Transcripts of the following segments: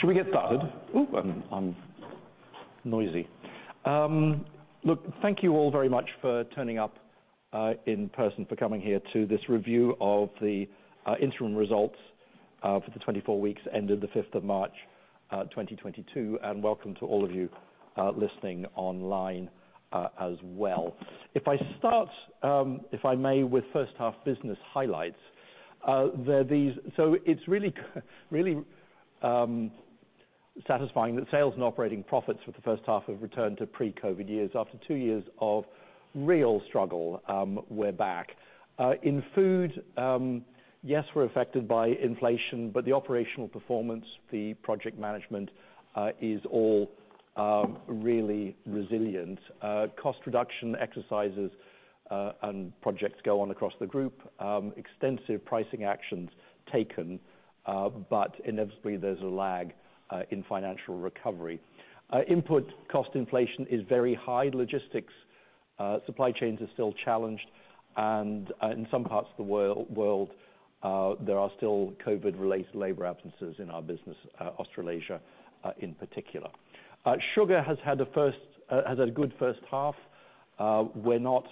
Should we get started? Noisy. Look, thank you all very much for turning up in person for coming here to this review of the interim results for the 24 weeks ending the 5th of March 2022, and welcome to all of you listening online as well. If I may start with first half business highlights, it's really satisfying that sales and operating profits for the first half have returned to pre-COVID years. After two years of real struggle, we're back. In food, yes, we're affected by inflation, but the operational performance, the project management is all really resilient. Cost reduction exercises and projects go on across the group. Extensive pricing actions taken, but inevitably there's a lag in financial recovery. Input cost inflation is very high. Logistics supply chains are still challenged, and in some parts of the world there are still COVID-related labor absences in our business, in Australasia in particular. Sugar has had a good first half. We're not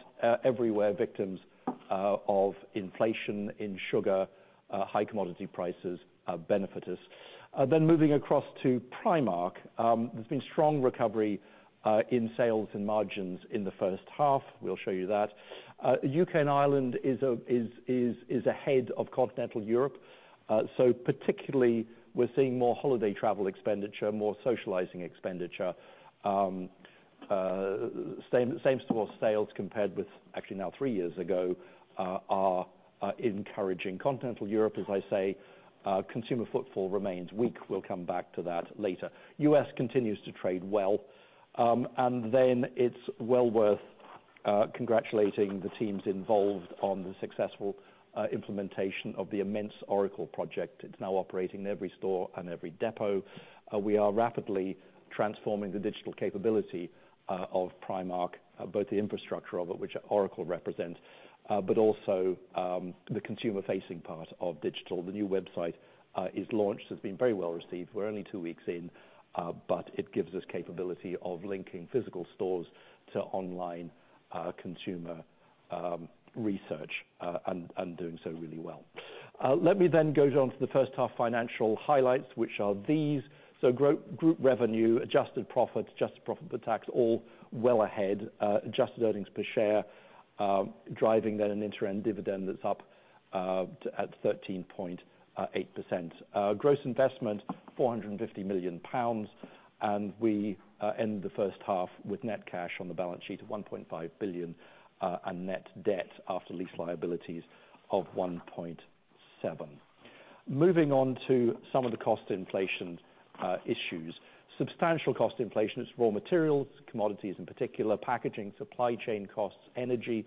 everywhere victims of inflation in sugar. High commodity prices have benefited us. Moving across to Primark, there's been strong recovery in sales and margins in the first half. We'll show you that. U.K. and Ireland is ahead of Continental Europe. Particularly we're seeing more holiday travel expenditure, more socializing expenditure. Same store sales compared with actually now three years ago are encouraging. Continental Europe, as I say, consumer footfall remains weak. We'll come back to that later. U.S. continues to trade well. And then it's well worth congratulating the teams involved on the successful implementation of the immense Oracle project. It's now operating in every store and every depot. We are rapidly transforming the digital capability of Primark, both the infrastructure of it, which Oracle represents, but also the consumer-facing part of digital. The new website is launched. It's been very well received. We're only two weeks in, but it gives us capability of linking physical stores to online consumer research, and doing so really well. Let me then go down to the first half financial highlights, which are these. Group revenue, adjusted profits, adjusted profit for tax, all well ahead. Adjusted earnings per share driving then an interim dividend that's up 13.8%. Gross investment 450 million pounds, and we end the first half with net cash on the balance sheet of 1.5 billion and net debt after lease liabilities of 1.7 billion. Moving on to some of the cost inflation issues. Substantial cost inflation in raw materials, commodities in particular, packaging, supply chain costs, energy.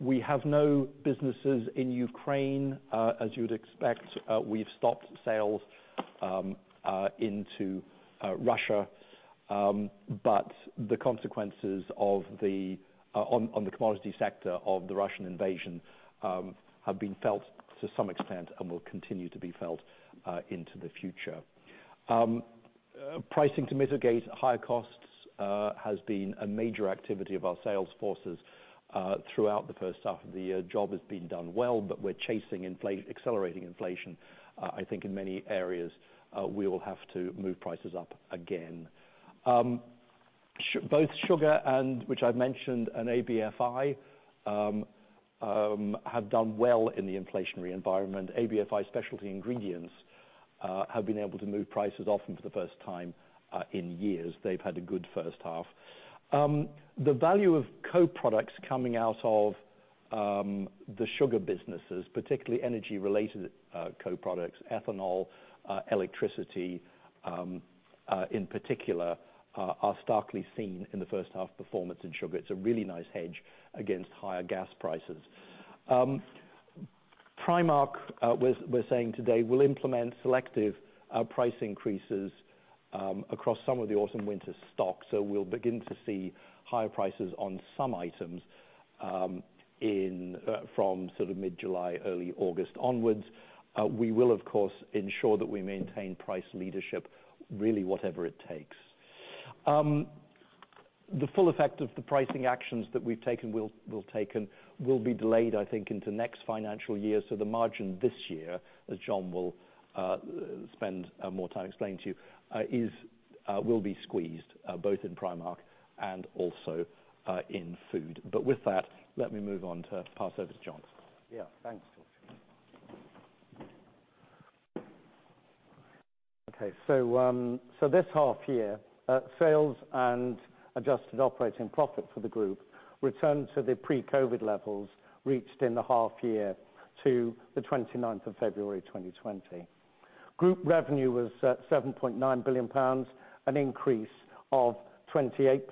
We have no businesses in Ukraine. As you would expect, we've stopped sales into Russia. But the consequences of the Russian invasion on the commodity sector have been felt to some extent and will continue to be felt into the future. Pricing to mitigate higher costs has been a major activity of our sales forces throughout the first half of the year. Job has been done well, but we're chasing accelerating inflation. I think in many areas we will have to move prices up again. Both Sugar and, which I've mentioned, and ABFI have done well in the inflationary environment. ABFI specialty ingredients have been able to move prices up, often for the first time in years. They've had a good first half. The value of co-products coming out of the sugar businesses, particularly energy-related co-products, ethanol, electricity, in particular, are starkly seen in the first half performance in sugar. It's a really nice hedge against higher gas prices. Primark, we're saying today will implement selective price increases across some of the autumn winter stock. We'll begin to see higher prices on some items from sort of mid-July, early August onwards. We will, of course, ensure that we maintain price leadership, really whatever it takes. The full effect of the pricing actions that we've taken will be delayed, I think, into next financial year. The margin this year, as John will spend more time explaining to you, will be squeezed both in Primark and also in food. With that, let me move on to pass over to John. Yeah. Thanks, George. Okay, this half year, sales and adjusted operating profit for the group returned to the pre-COVID levels reached in the half year to the 29th of February 2020. Group revenue was at 7.9 billion pounds, an increase of 28%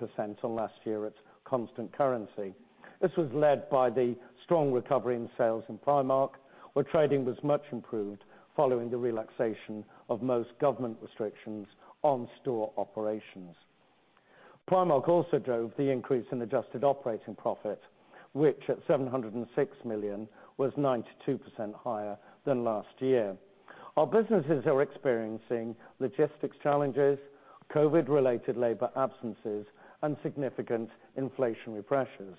on last year at constant currency. This was led by the strong recovery in sales in Primark, where trading was much improved following the relaxation of most government restrictions on store operations. Primark also drove the increase in adjusted operating profit, which at 706 million, was 92% higher than last year. Our businesses are experiencing logistics challenges, COVID-related labor absences, and significant inflationary pressures.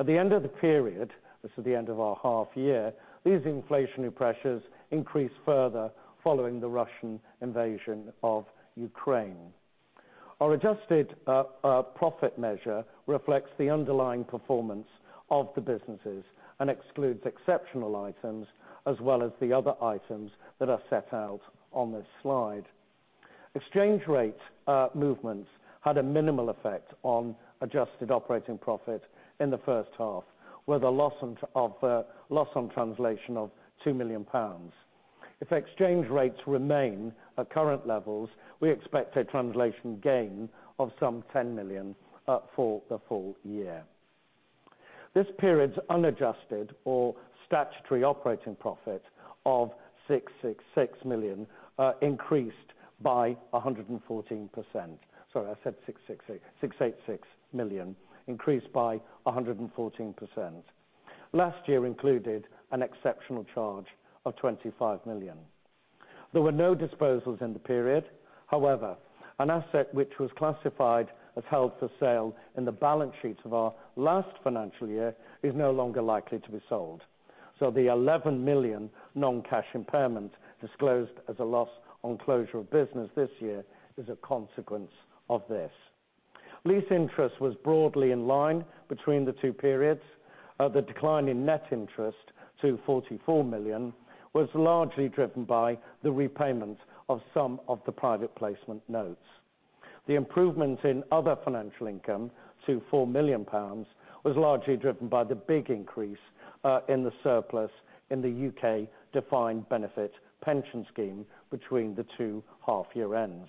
At the end of the period, this is the end of our half year, these inflationary pressures increased further following the Russian invasion of Ukraine. Our adjusted profit measure reflects the underlying performance of the businesses and excludes exceptional items as well as the other items that are set out on this slide. Exchange rate movements had a minimal effect on adjusted operating profit in the first half, with a loss on translation of 2 million pounds. If exchange rates remain at current levels, we expect a translation gain of some 10 million for the full year. This period's unadjusted or statutory operating profit of 666 million increased by 114%. Sorry, I said 666. 686 million increased by 114%. Last year included an exceptional charge of 25 million. There were no disposals in the period. However, an asset which was classified as held for sale in the balance sheet of our last financial year is no longer likely to be sold. The 11 million non-cash impairment disclosed as a loss on closure of business this year is a consequence of this. Lease interest was broadly in line between the two periods. The decline in net interest to 44 million was largely driven by the repayment of some of the private placement notes. The improvement in other financial income to 4 million pounds was largely driven by the big increase in the surplus in the U.K. defined benefit pension scheme between the two half-year ends.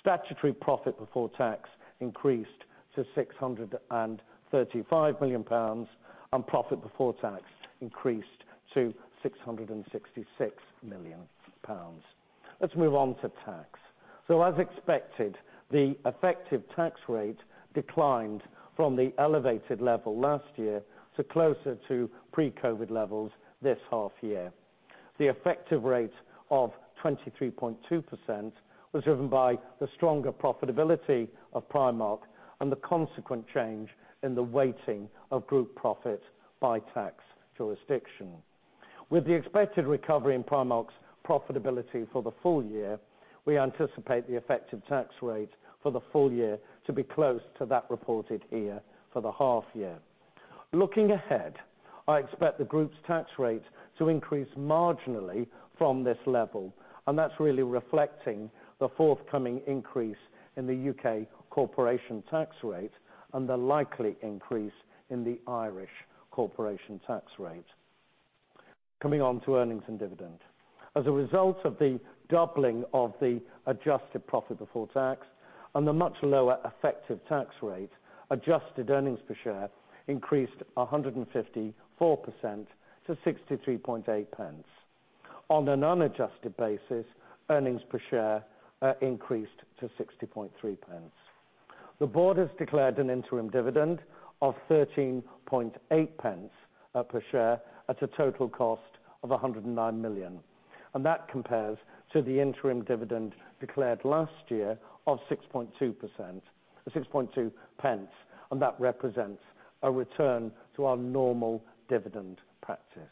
Statutory profit before tax increased to 635 million pounds, and profit before tax increased to 666 million pounds. Let's move on to tax. As expected, the effective tax rate declined from the elevated level last year to closer to pre-COVID levels this half year. The effective rate of 23.2% was driven by the stronger profitability of Primark and the consequent change in the weighting of group profit by tax jurisdiction. With the expected recovery in Primark's profitability for the full year, we anticipate the effective tax rate for the full year to be close to that reported here for the half year. Looking ahead, I expect the group's tax rate to increase marginally from this level, and that's really reflecting the forthcoming increase in the U.K. corporation tax rate and the likely increase in the Irish corporation tax rate. Coming on to earnings and dividend. As a result of the doubling of the adjusted profit before tax and the much lower effective tax rate, adjusted earnings per share increased 154% to 0.638. On an unadjusted basis, earnings per share increased to 0.603. The board has declared an interim dividend of 0.138 per share at a total cost of 109 million. That compares to the interim dividend declared last year of 0.62, and that represents a return to our normal dividend practice.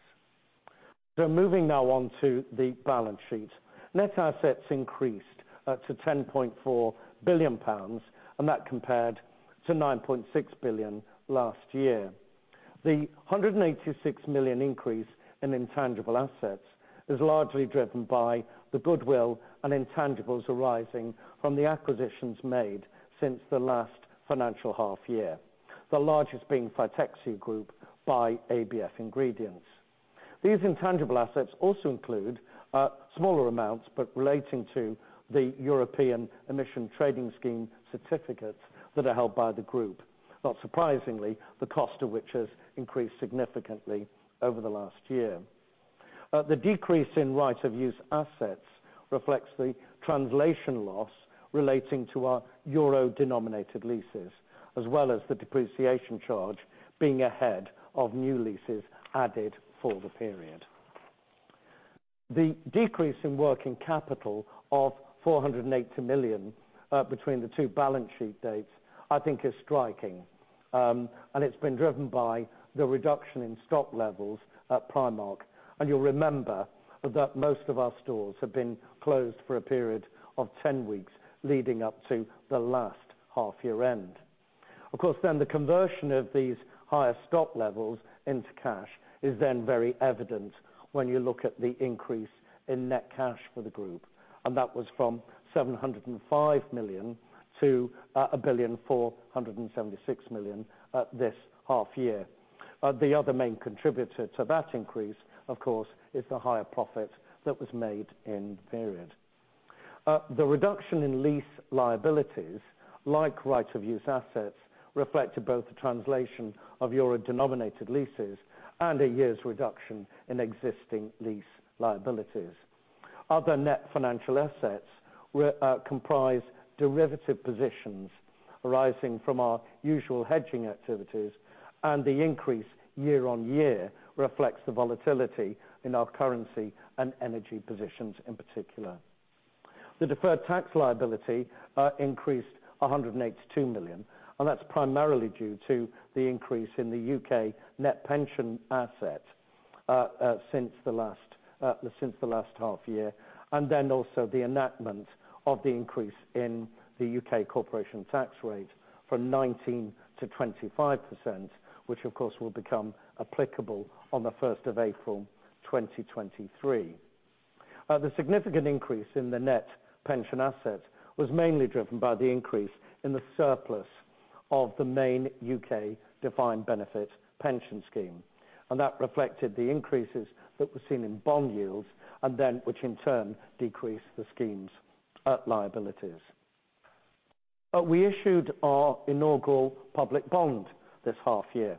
Moving now on to the balance sheet. Net assets increased to 10.4 billion pounds, and that compared to 9.6 billion last year. The 186 million increase in intangible assets is largely driven by the goodwill and intangibles arising from the acquisitions made since the last financial half year. The largest being Fytexia Group by ABF Ingredients. These intangible assets also include smaller amounts, but relating to the European Union Emissions Trading System certificates that are held by the group. Not surprisingly, the cost of which has increased significantly over the last year. The decrease in right-of-use assets reflects the translation loss relating to our euro-denominated leases, as well as the depreciation charge being ahead of new leases added for the period. The decrease in working capital of 480 million between the two balance sheet dates, I think is striking. It's been driven by the reduction in stock levels at Primark. You'll remember that most of our stores have been closed for a period of 10 weeks leading up to the last half year end. Of course, then the conversion of these higher stock levels into cash is then very evident when you look at the increase in net cash for the group, and that was from 705 million to 1,476 million at this half year. The other main contributor to that increase, of course, is the higher profit that was made in the period. The reduction in lease liabilities, like right-of-use assets, reflected both the translation of euro-denominated leases and a year's reduction in existing lease liabilities. Other net financial assets were comprise derivative positions arising from our usual hedging activities and the increase year-on-year reflects the volatility in our currency and energy positions, in particular. The deferred tax liability increased 182 million, and that's primarily due to the increase in the U.K. net pension asset since the last half year, and then also the enactment of the increase in the U.K. corporation tax rate from 19% -25%, which of course will become applicable on the first of April 2023. The significant increase in the net pension asset was mainly driven by the increase in the surplus of the main U.K. defined benefit pension scheme. That reflected the increases that were seen in bond yields, and then which in turn decreased the scheme's liabilities. We issued our inaugural public bond this half year.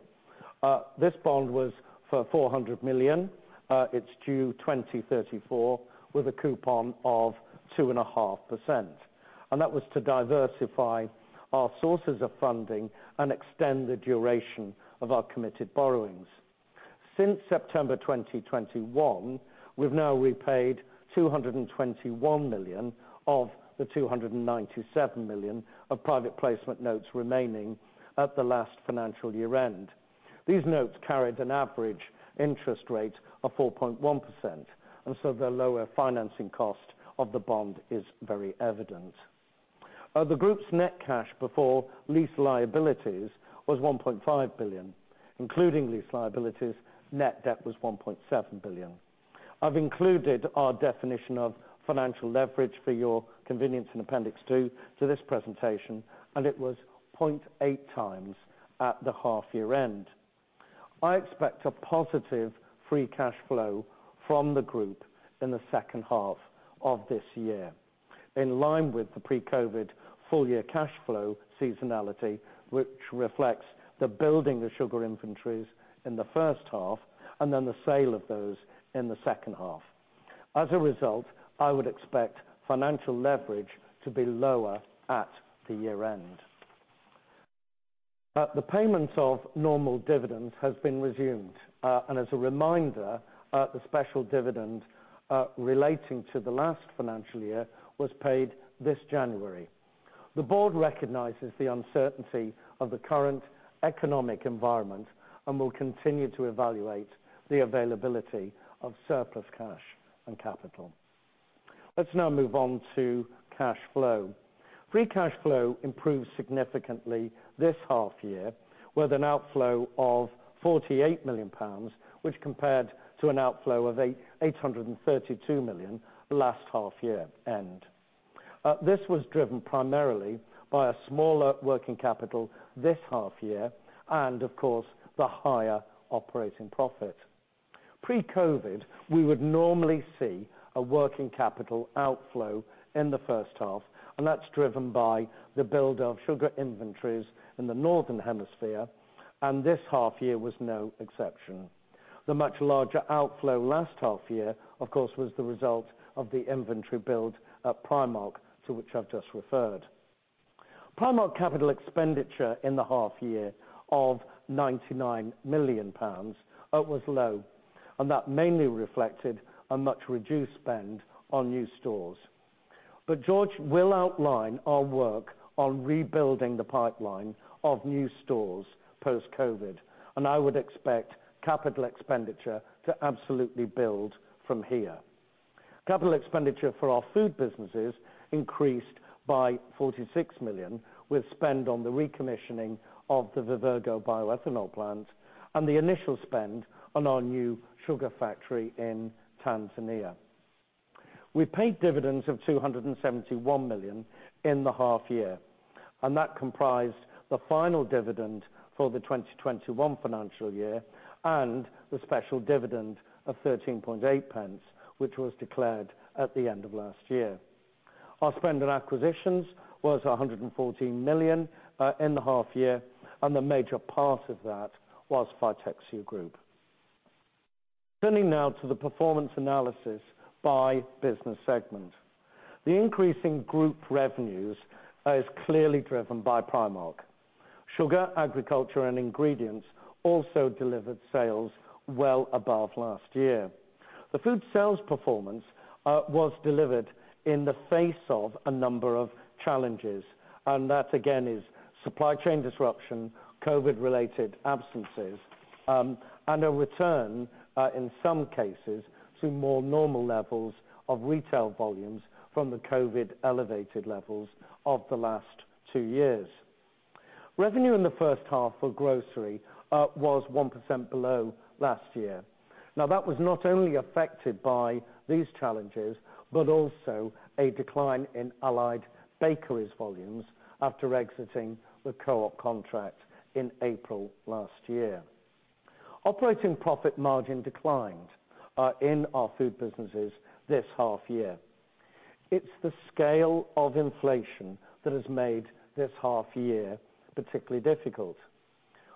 This bond was for 400 million. It's due 2034 with a coupon of 2.5%. That was to diversify our sources of funding and extend the duration of our committed borrowings. Since September 2021, we've now repaid 221 million of the 297 million of private placement notes remaining at the last financial year-end. These notes carried an average interest rate of 4.1%, and so the lower financing cost of the bond is very evident. The group's net cash before lease liabilities was 1.5 billion, including lease liabilities, net debt was 1.7 billion. I've included our definition of financial leverage for your convenience in appendix 2 to this presentation, and it was 0.8 times at the half year end. I expect a positive free cash flow from the group in the second half of this year. In line with the pre-COVID full year cash flow seasonality, which reflects the building of sugar inventories in the first half and then the sale of those in the second half. As a result, I would expect financial leverage to be lower at the year end. The payment of normal dividends has been resumed. As a reminder, the special dividend relating to the last financial year was paid this January. The board recognizes the uncertainty of the current economic environment and will continue to evaluate the availability of surplus cash and capital. Let's now move on to cash flow. Free cash flow improved significantly this half year with an outflow of 48 million pounds, which compared to an outflow of 832 million last half year end. This was driven primarily by a smaller working capital this half year and of course, the higher operating profit. Pre-COVID, we would normally see a working capital outflow in the first half, and that's driven by the build of sugar inventories in the Northern Hemisphere, and this half year was no exception. The much larger outflow last half year of course, was the result of the inventory build at Primark, to which I've just referred. Primark capital expenditure in the half year of 99 million pounds was low, and that mainly reflected a much reduced spend on new stores. George will outline our work on rebuilding the pipeline of new stores post-COVID, and I would expect capital expenditure to absolutely build from here. Capital expenditure for our food businesses increased by 46 million with spend on the recommissioning of the Vivergo bioethanol plant and the initial spend on our new sugar factory in Tanzania. We paid dividends of 271 million in the half year, and that comprised the final dividend for the 2021 financial year and the special dividend of 0.138, which was declared at the end of last year. Our spend on acquisitions was 114 million in the half year, and the major part of that was Fytexia Group. Turning now to the performance analysis by business segment. The increase in group revenues is clearly driven by Primark. Sugar, agriculture, and ingredients also delivered sales well above last year. The food sales performance was delivered in the face of a number of challenges, and that again is supply chain disruption, COVID-related absences, and a return in some cases to more normal levels of retail volumes from the COVID elevated levels of the last two years. Revenue in the first half for grocery was 1% below last year. Now, that was not only affected by these challenges, but also a decline in Allied Bakeries volumes after exiting the Co-op contract in April last year. Operating profit margin declined in our food businesses this half year. It's the scale of inflation that has made this half year particularly difficult.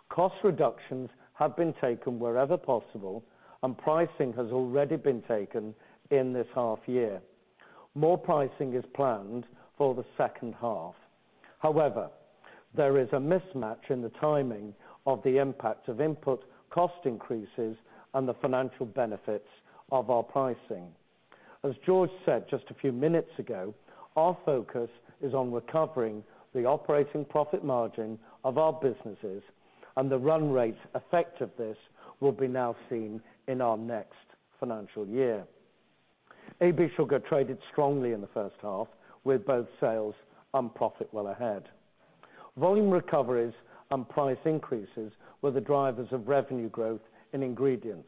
Cost reductions have been taken wherever possible, and pricing has already been taken in this half year. More pricing is planned for the second half. However, there is a mismatch in the timing of the impact of input cost increases and the financial benefits of our pricing. As George said just a few minutes ago, our focus is on recovering the operating profit margin of our businesses and the run rate effect of this will be now seen in our next financial year. AB Sugar traded strongly in the first half, with both sales and profit well ahead. Volume recoveries and price increases were the drivers of revenue growth in Ingredients.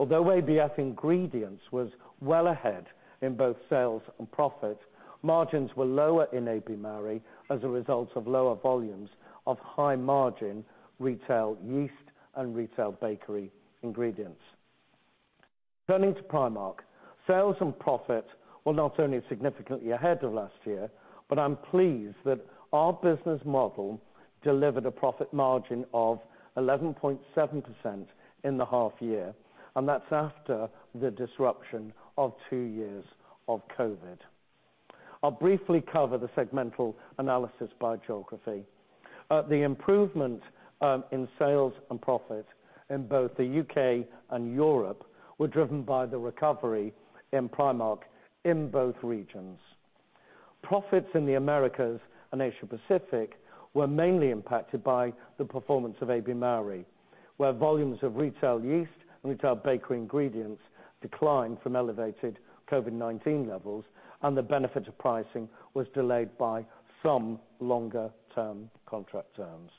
Although ABF Ingredients was well ahead in both sales and profit, margins were lower in AB Mauri as a result of lower volumes of high margin retail yeast and retail bakery ingredients. Turning to Primark, sales and profit were not only significantly ahead of last year, but I'm pleased that our business model delivered a profit margin of 11.7% in the half year, and that's after the disruption of two years of COVID. I'll briefly cover the segmental analysis by geography. The improvement in sales and profit in both the U.K. and Europe were driven by the recovery in Primark in both regions. Profits in the Americas and Asia Pacific were mainly impacted by the performance of AB Mauri, where volumes of retail yeast and retail bakery ingredients declined from elevated COVID-19 levels, and the benefit of pricing was delayed by some longer term contract terms.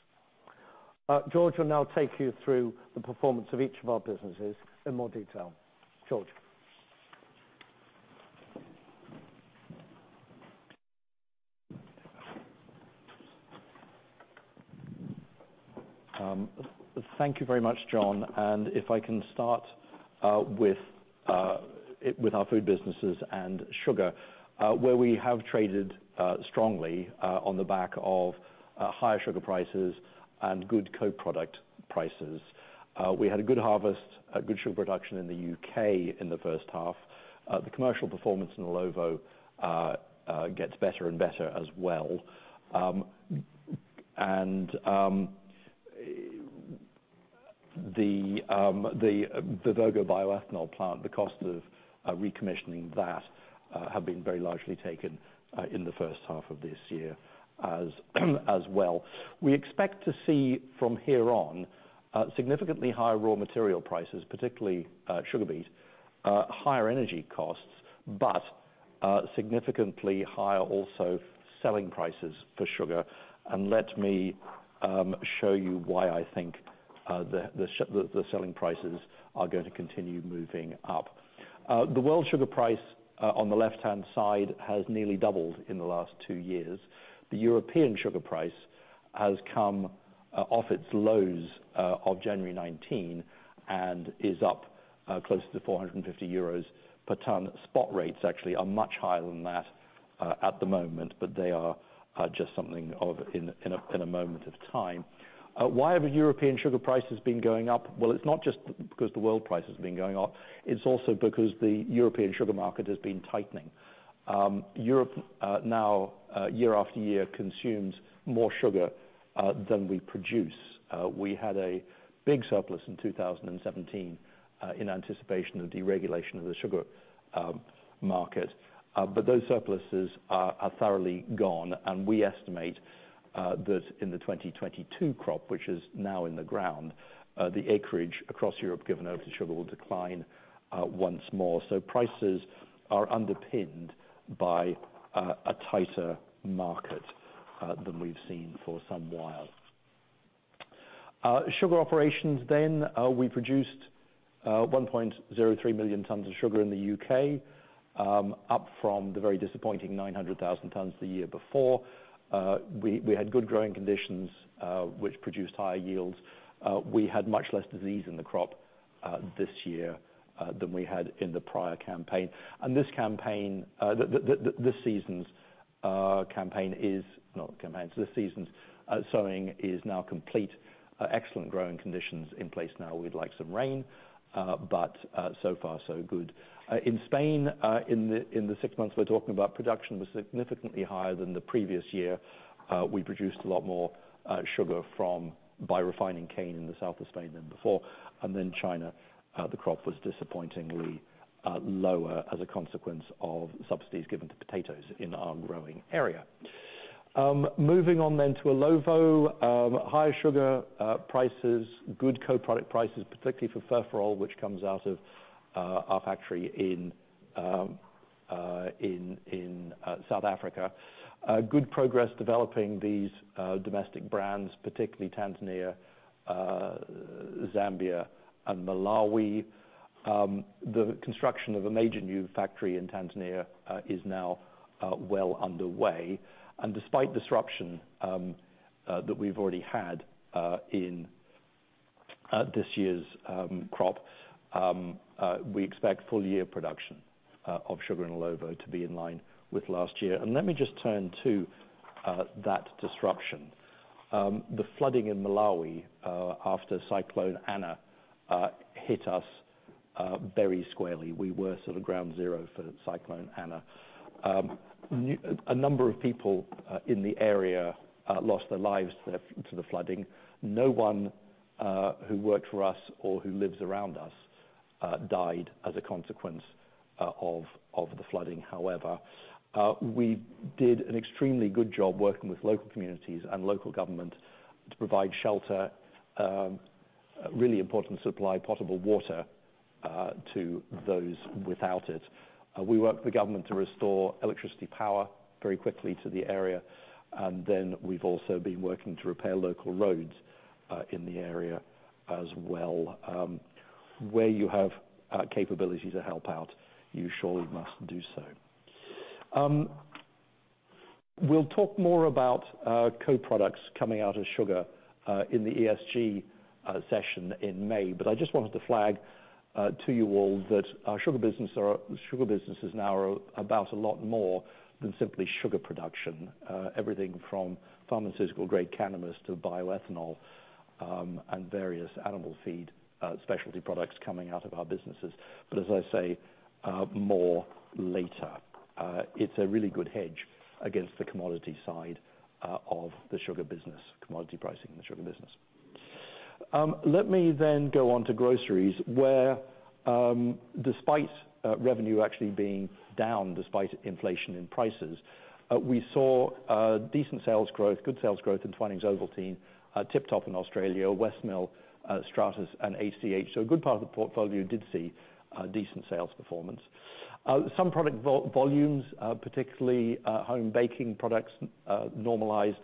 George will now take you through the performance of each of our businesses in more detail. George? Thank you very much, John. If I can start with our food businesses and sugar, where we have traded strongly on the back of higher sugar prices and good co-product prices. We had a good harvest, a good sugar production in the U.K. in the first half. The commercial performance in Illovo gets better and better as well. The Vivergo bioethanol plant, the cost of recommissioning that have been very largely taken in the first half of this year as well. We expect to see from here on significantly higher raw material prices, particularly sugar beets, higher energy costs, but significantly higher also selling prices for sugar. Let me show you why I think the selling prices are going to continue moving up. The world sugar price on the left-hand side has nearly doubled in the last two years. The European sugar price has come off its lows of January 2019, and is up close to 450 euros per ton. Spot rates actually are much higher than that at the moment, but they are just a moment in time. Why have European sugar prices been going up? Well, it's not just because the world price has been going up. It's also because the European sugar market has been tightening. Europe now year after year consumes more sugar than we produce. We had a big surplus in 2017 in anticipation of deregulation of the sugar market. Those surpluses are thoroughly gone, and we estimate that in the 2022 crop, which is now in the ground, the acreage across Europe given over to sugar will decline once more. Prices are underpinned by a tighter market than we've seen for some while. Sugar operations, we produced 1.03 million tons of sugar in the U.K., up from the very disappointing 900,000 tons the year before. We had good growing conditions, which produced higher yields. We had much less disease in the crop this year than we had in the prior campaign. This season's sowing is now complete. Excellent growing conditions in place now. We'd like some rain, but so far so good. In Spain, in the six months we're talking about, production was significantly higher than the previous year. We produced a lot more sugar by refining cane in the south of Spain than before. China, the crop was disappointingly lower as a consequence of subsidies given to potatoes in our growing area. Moving on to Illovo. Higher sugar prices, good co-product prices, particularly for furfural, which comes out of our factory in South Africa. Good progress developing these domestic brands, particularly Tanzania, Zambia and Malawi. The construction of a major new factory in Tanzania is now well underway. Despite disruption that we've already had in this year's crop, we expect full year production of sugar and Illovo to be in line with last year. Let me just turn to that disruption. The flooding in Malawi after Cyclone Ana hit us very squarely. We were sort of ground zero for Cyclone Ana. A number of people in the area lost their lives to the flooding. No one who worked for us or who lives around us died as a consequence of the flooding. However, we did an extremely good job working with local communities and local government to provide shelter. Really important to supply potable water to those without it. We worked with the government to restore electricity power very quickly to the area, and then we've also been working to repair local roads in the area as well. Where you have capability to help out, you surely must do so. We'll talk more about co-products coming out of sugar in the ESG session in May, but I just wanted to flag to you all that our sugar businesses now are about a lot more than simply sugar production. Everything from pharmaceutical grade cannabis to bioethanol, and various animal feed specialty products coming out of our businesses. As I say, more later, it's a really good hedge against the commodity side of the sugar business, commodity pricing in the sugar business. Let me then go on to groceries, where, despite revenue actually being down, despite inflation in prices, we saw decent sales growth, good sales growth in Twinings Ovaltine, Tip Top in Australia, Westmill, Stratas and ACH. A good part of the portfolio did see decent sales performance. Some product volumes, particularly home baking products, normalized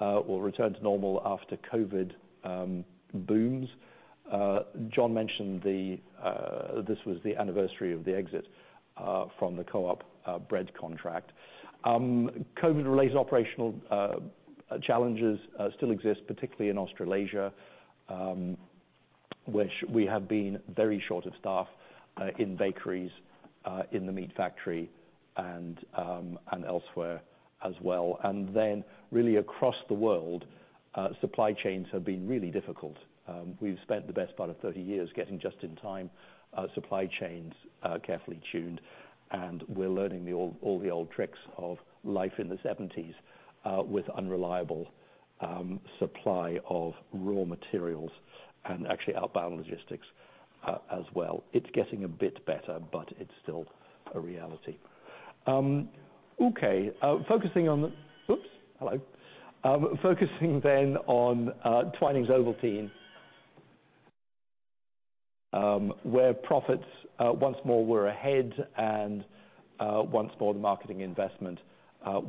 or returned to normal after COVID booms. John mentioned the, this was the anniversary of the exit from the Co-op bread contract. COVID-related operational challenges still exist, particularly in Australasia, which we have been very short of staff in bakeries in the meat factory and elsewhere as well. Then really across the world supply chains have been really difficult. We've spent the best part of 30 years getting just-in-time supply chains carefully tuned, and we're learning all the old tricks of life in the 1970s with unreliable supply of raw materials and actually outbound logistics as well. It's getting a bit better, but it's still a reality. Focusing on Twinings Ovaltine, where profits once more were ahead and once more the marketing investment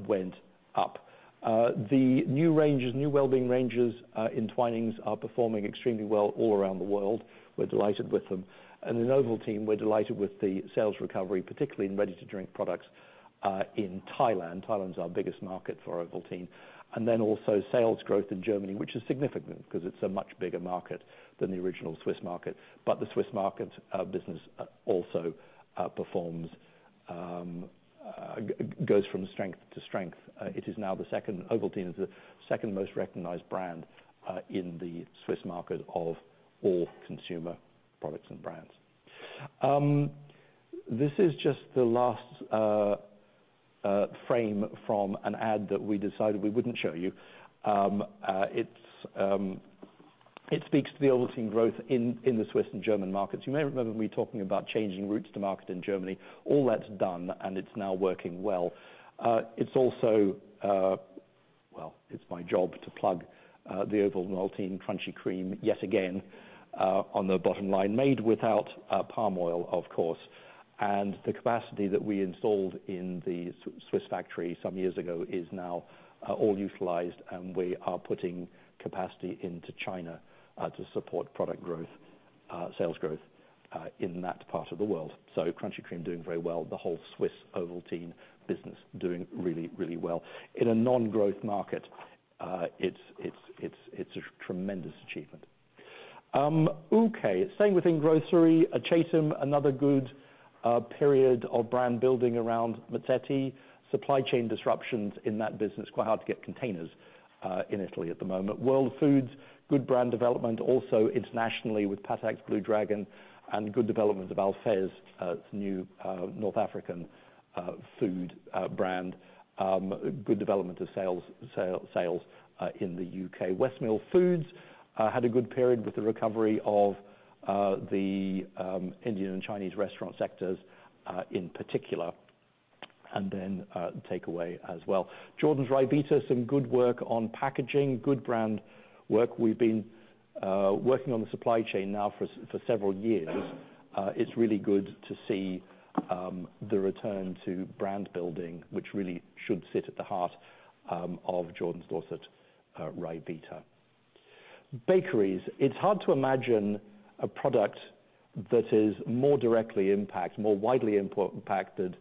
went up. The new ranges, new wellbeing ranges, in Twinings are performing extremely well all around the world. We're delighted with them. In Ovaltine, we're delighted with the sales recovery, particularly in ready-to-drink products, in Thailand. Thailand's our biggest market for Ovaltine. Sales growth in Germany, which is significant 'cause it's a much bigger market than the original Swiss market. The Swiss market business also goes from strength to strength. Ovaltine is the second most recognized brand in the Swiss market of all consumer products and brands. This is just the last frame from an ad that we decided we wouldn't show you. It speaks to the Ovaltine growth in the Swiss and German markets. You may remember me talking about changing routes to market in Germany. All that's done, and it's now working well. It's also, well, it's my job to plug the Ovomaltine Crunchy Cream, yet again, on the bottom line, made without palm oil, of course. The capacity that we installed in the Swiss factory some years ago is now all utilized, and we are putting capacity into China to support product growth, sales growth in that part of the world. Crunchy Cream doing very well, the whole Swiss Ovaltine business doing really, really well. In a non-growth market, it's a tremendous achievement. Okay. Staying within grocery, at Chesham, another good period of brand building around Mazzetti. Supply chain disruptions in that business, quite hard to get containers in Italy at the moment. World Foods, good brand development, also internationally with Patak's Blue Dragon and good development of Al'Fez, its new North African food brand. Good development of sales in the U.K. Westmill Foods had a good period with the recovery of the Indian and Chinese restaurant sectors, in particular, and then takeaway as well. Jordans Ryvita, some good work on packaging, good brand work. We've been working on the supply chain now for several years. It's really good to see the return to brand building, which really should sit at the heart of Jordans Dorset Ryvita. Bakeries, it's hard to imagine a product that is more directly impacted, more widely impacted,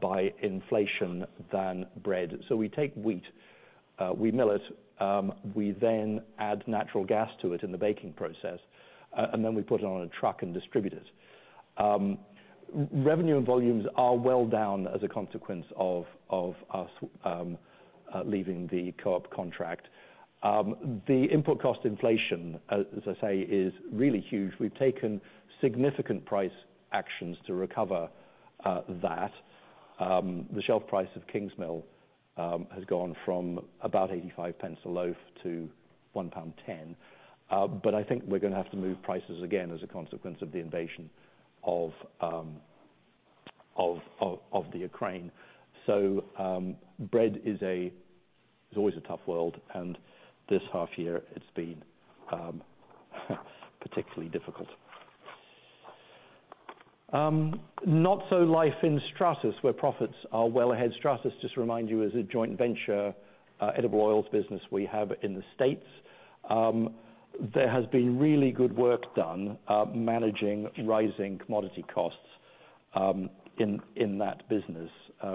by inflation than bread. We take wheat, we mill it, we then add natural gas to it in the baking process, and then we put it on a truck and distribute it. Revenue and volumes are well down as a consequence of us leaving the Co-op contract. The input cost inflation, as I say, is really huge. We've taken significant price actions to recover that. The shelf price of Kingsmill has gone from about 0.85 a loaf to 1.10 pound. I think we're gonna have to move prices again as a consequence of the invasion of the Ukraine. Bread is always a tough world, and this half year it's been particularly difficult. Not so life in Stratas, where profits are well ahead. Stratas, just to remind you, is a joint venture, edible oils business we have in the States. There has been really good work done, managing rising commodity costs, in that business.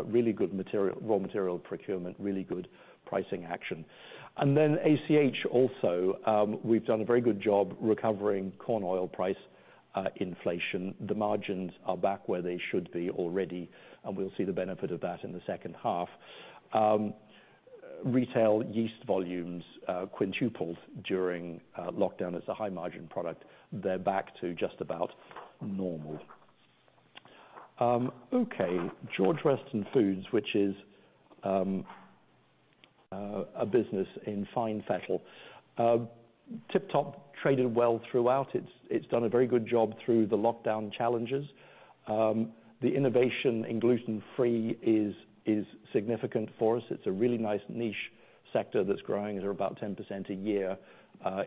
Really good material, raw material procurement, really good pricing action. Then ACH also, we've done a very good job recovering corn oil price inflation. The margins are back where they should be already, and we'll see the benefit of that in the second half. Retail yeast volumes quintupled during lockdown. It's a high margin product. They're back to just about normal. Okay. George Weston Foods, which is, a business in fine fettle. Tip Top traded well throughout. It's done a very good job through the lockdown challenges. The innovation in gluten-free is significant for us. It's a really nice niche sector that's growing at about 10% a year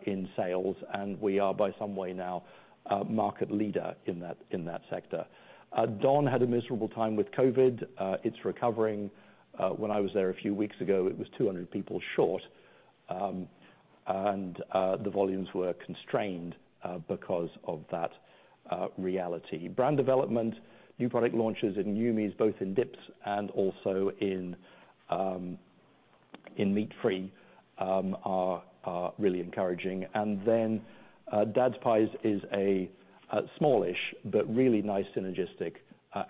in sales. We are by some way now a market leader in that sector. Don had a miserable time with COVID. It's recovering. When I was there a few weeks ago, it was 200 people short. The volumes were constrained because of that reality. Brand development, new product launches in Yumi's, both in dips and also in meat-free, are really encouraging. Dad's Pies is a smallish but really nice synergistic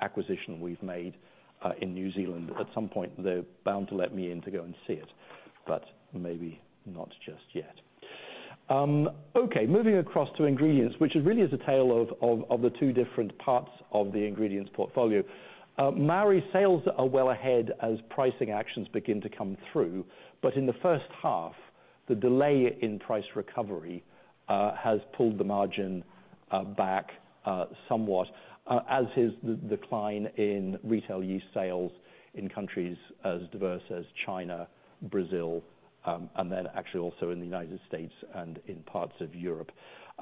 acquisition we've made in New Zealand. At some point, they're bound to let me in to go and see it, but maybe not just yet. Okay. Moving across to ingredients, which really is a tale of the two different parts of the ingredients portfolio. AB Mauri sales are well ahead as pricing actions begin to come through. In the first half, the delay in price recovery has pulled the margin back somewhat, as with the decline in retail yeast sales in countries as diverse as China, Brazil, and then actually also in the United States and in parts of Europe.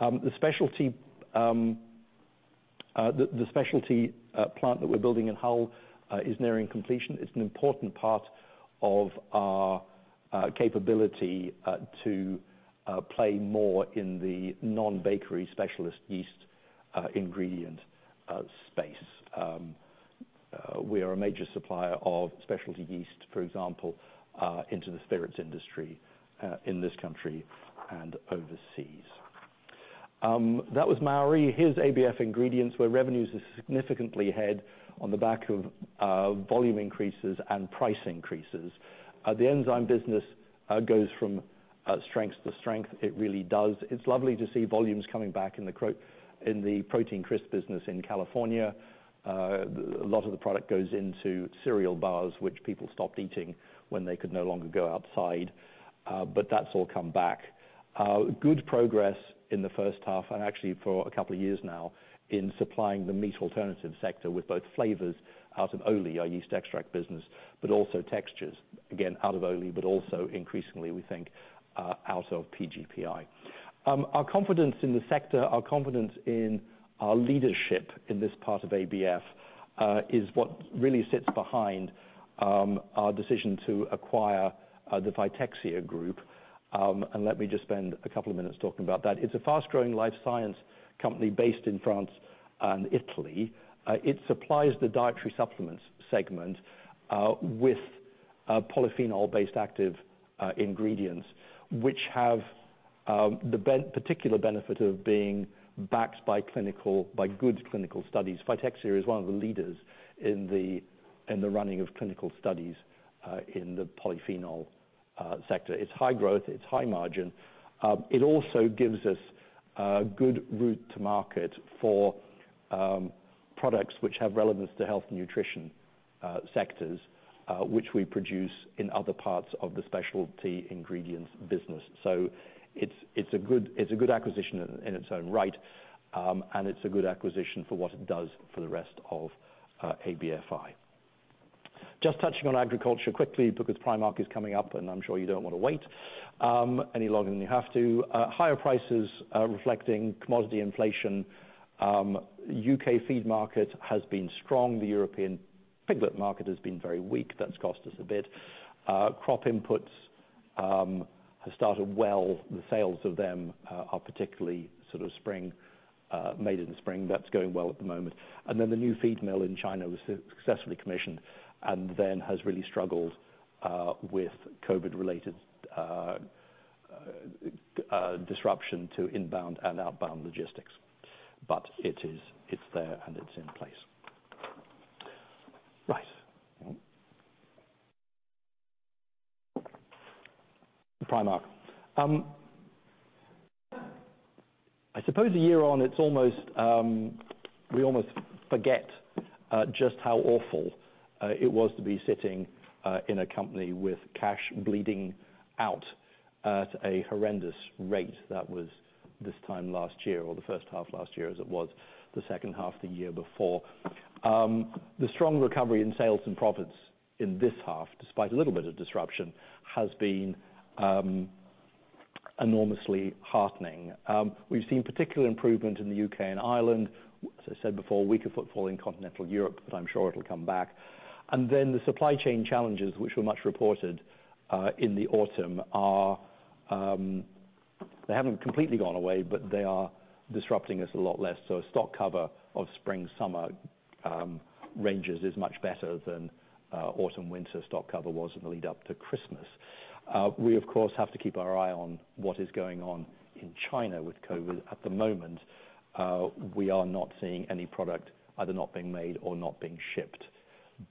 The specialty plant that we're building in Hull is nearing completion. It's an important part of our capability to play more in the non-bakery specialist yeast ingredient space. We are a major supplier of specialty yeast, for example, into the spirits industry in this country and overseas. That was AB Mauri. Here's ABF Ingredients, where revenues are significantly ahead on the back of volume increases and price increases. The enzyme business goes from strength to strength. It really does. It's lovely to see volumes coming back in the protein crisp business in California. A lot of the product goes into cereal bars, which people stopped eating when they could no longer go outside, but that's all come back. Good progress in the first half, and actually for a couple of years now, in supplying the meat alternative sector with both flavors out of Ohly, our yeast extract business, but also textures, again, out of Ohly, but also increasingly, we think, out of PGPI. Our confidence in the sector, our confidence in our leadership in this part of ABF, is what really sits behind our decision to acquire the Fytexia Group. Let me just spend a couple of minutes talking about that. It's a fast-growing life science company based in France and Italy. It supplies the dietary supplements segment with polyphenol-based active ingredients, which have the particular benefit of being backed by good clinical studies. Fytexia is one of the leaders in the running of clinical studies in the polyphenol sector. It's high growth. It's high margin. It also gives us a good route to market for products which have relevance to health and nutrition sectors which we produce in other parts of the specialty ingredients business. It's a good acquisition in its own right, and it's a good acquisition for what it does for the rest of ABFI. Just touching on agriculture quickly, because Primark is coming up, and I'm sure you don't wanna wait any longer than you have to. Higher prices reflecting commodity inflation. U.K. feed market has been strong. The European piglet market has been very weak. That's cost us a bit. Crop inputs have started well. The sales of them are particularly sort of spring made in the spring. That's going well at the moment. The new feed mill in China was successfully commissioned and then has really struggled with COVID-related disruption to inbound and outbound logistics. But it is there, and it's in place. Right. Primark. I suppose a year on, it's almost we almost forget just how awful it was to be sitting in a company with cash bleeding out at a horrendous rate. That was this time last year or the first half last year as it was the second half the year before. The strong recovery in sales and profits in this half, despite a little bit of disruption, has been enormously heartening. We've seen particular improvement in the U.K. and Ireland. As I said before, weaker footfall in Continental Europe, but I'm sure it'll come back. The supply chain challenges, which were much reported in the autumn. They haven't completely gone away, but they are disrupting us a lot less. Stock cover of spring, summer ranges is much better than autumn, winter stock cover was in the lead up to Christmas. We, of course, have to keep our eye on what is going on in China with COVID. At the moment, we are not seeing any product either not being made or not being shipped.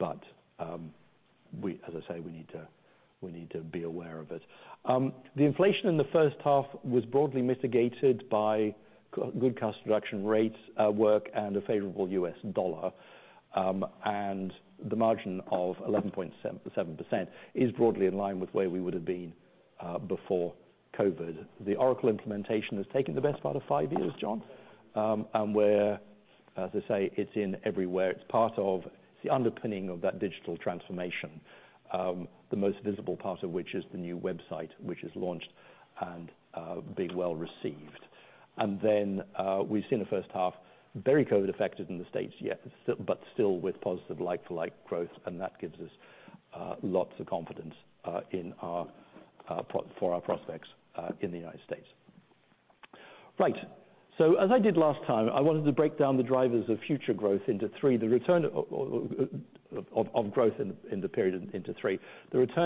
As I say, we need to be aware of it. The inflation in the first half was broadly mitigated by good cost reduction rates work and a favorable U.S. dollar. The margin of 11.7% is broadly in line with where we would have been before COVID. The Oracle implementation has taken the best part of five years, John. We're, as I say, it's in everywhere. It's part of the underpinning of that digital transformation, the most visible part of which is the new website, which is launched and being well-received. We've seen the first half, very COVID affected in the States, but still with positive like-for-like growth, and that gives us lots of confidence in our prospects in the United States. Right. As I did last time, I wanted to break down the drivers of future growth into three. The return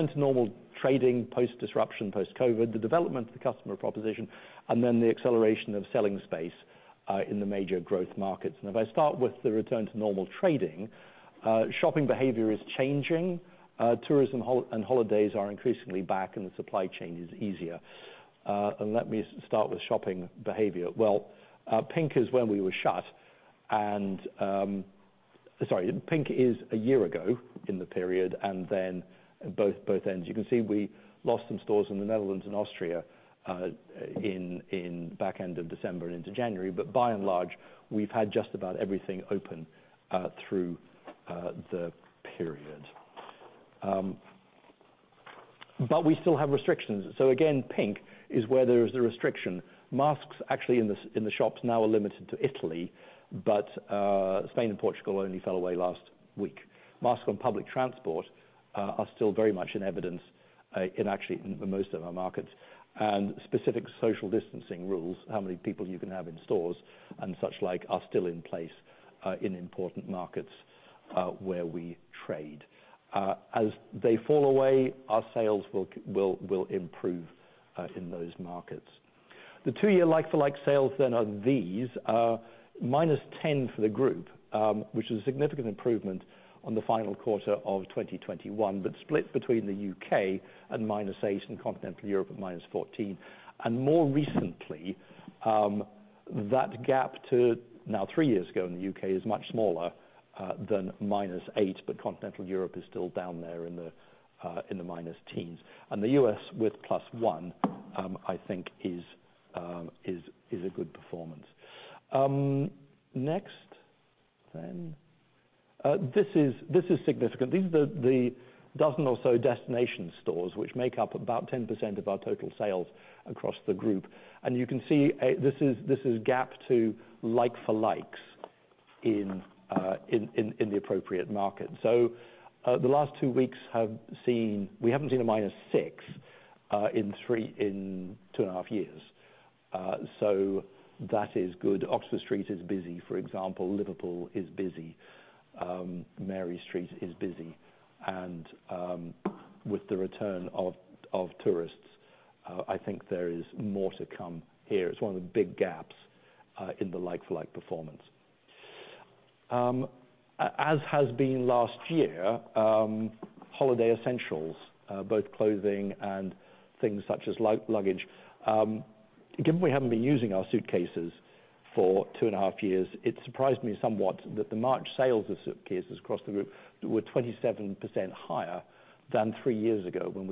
to normal trading, post disruption, post COVID, the development of the customer proposition, and the acceleration of selling space in the major growth markets. If I start with the return to normal trading, shopping behavior is changing, tourism home and holidays are increasingly back, and the supply chain is easier. Let me start with shopping behavior. Pink is when we were shut, and pink is a year ago in the period and then both ends. You can see we lost some stores in the Netherlands and Austria, in back end of December into January. But by and large, we've had just about everything open through the period. We still have restrictions. Again, pink is where there's a restriction. Masks actually in the shops now are limited to Italy, but Spain and Portugal only fell away last week. Masks on public transport are still very much in evidence, in actually most of our markets. Specific social distancing rules, how many people you can have in stores and such like, are still in place in important markets where we trade. As they fall away, our sales will improve in those markets. The two-year like-for-like sales then are these -10% for the group, which is a significant improvement on the final quarter of 2021, but split between the U.K. and -8% and Continental Europe at -14%. More recently, that gap to now three years ago in the U.K. is much smaller than -8%, but Continental Europe is still down there in the minus teens. The U.S. with +1%, I think is a good performance. Next, then. This is significant. These are the dozen or so destination stores, which make up about 10% of our total sales across the group. You can see this is gap to like-for-likes in the appropriate market. The last two weeks have seen. We haven't seen a -6% in 2.5 years. That is good. Oxford Street is busy, for example. Liverpool is busy. Mary Street is busy. With the return of tourists, I think there is more to come here. It's one of the big gaps in the like-for-like performance. As has been last year, holiday essentials both clothing and things such as luggage. Given we haven't been using our suitcases for 2.5 years, it surprised me somewhat that the March sales of suitcases across the group were 27% higher than three years ago when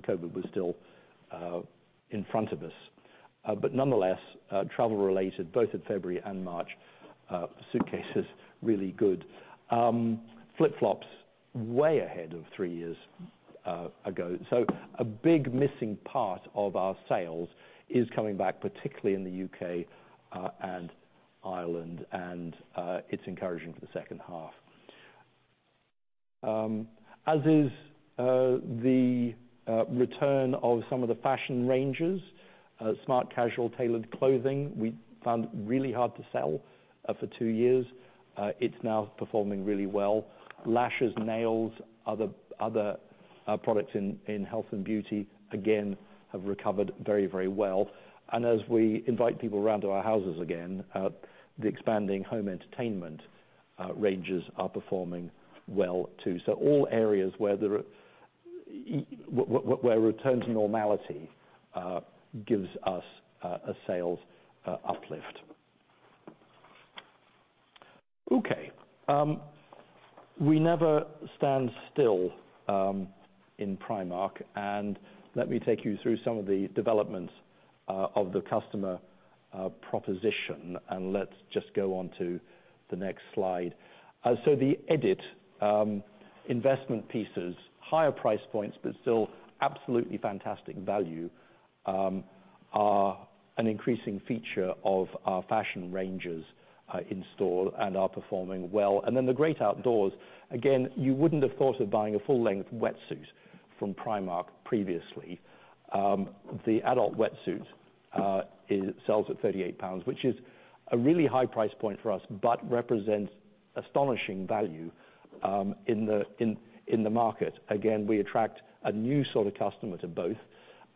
COVID was still in front of us. Nonetheless, travel-related, both in February and March, suitcases really good. Flip-flops way ahead of three years ago. A big missing part of our sales is coming back, particularly in the U.K. and Europe, Ireland, and it's encouraging for the second half. As is the return of some of the fashion ranges, smart, casual tailored clothing we found really hard to sell for two years. It's now performing really well. Lashes, nails, other products in health and beauty again have recovered very, very well. As we invite people around to our houses again, the expanding home entertainment ranges are performing well too. All areas where return to normality gives us a sales uplift. Okay. We never stand still in Primark. Let me take you through some of the developments of the customer proposition, and let's just go on to the next slide. The Edit investment pieces, higher price points, but still absolutely fantastic value, are an increasing feature of our fashion ranges in store and are performing well. The great outdoors, again, you wouldn't have thought of buying a full length wetsuit from Primark previously. The adult wetsuit sells at 38 pounds, which is a really high price point for us, but represents astonishing value in the market. Again, we attract a new sort of customer to both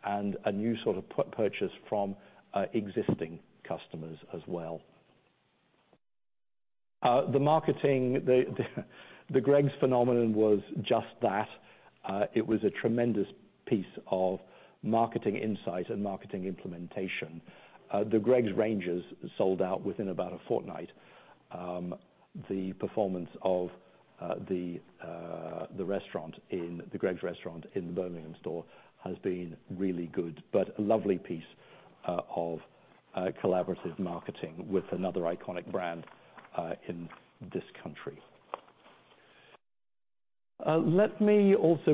and a new sort of purchase from existing customers as well. The marketing, the Greggs phenomenon was just that. It was a tremendous piece of marketing insight and marketing implementation. The Greggs ranges sold out within about a fortnight. The performance of the Greggs restaurant in the Birmingham store has been really good, but a lovely piece of collaborative marketing with another iconic brand in this country.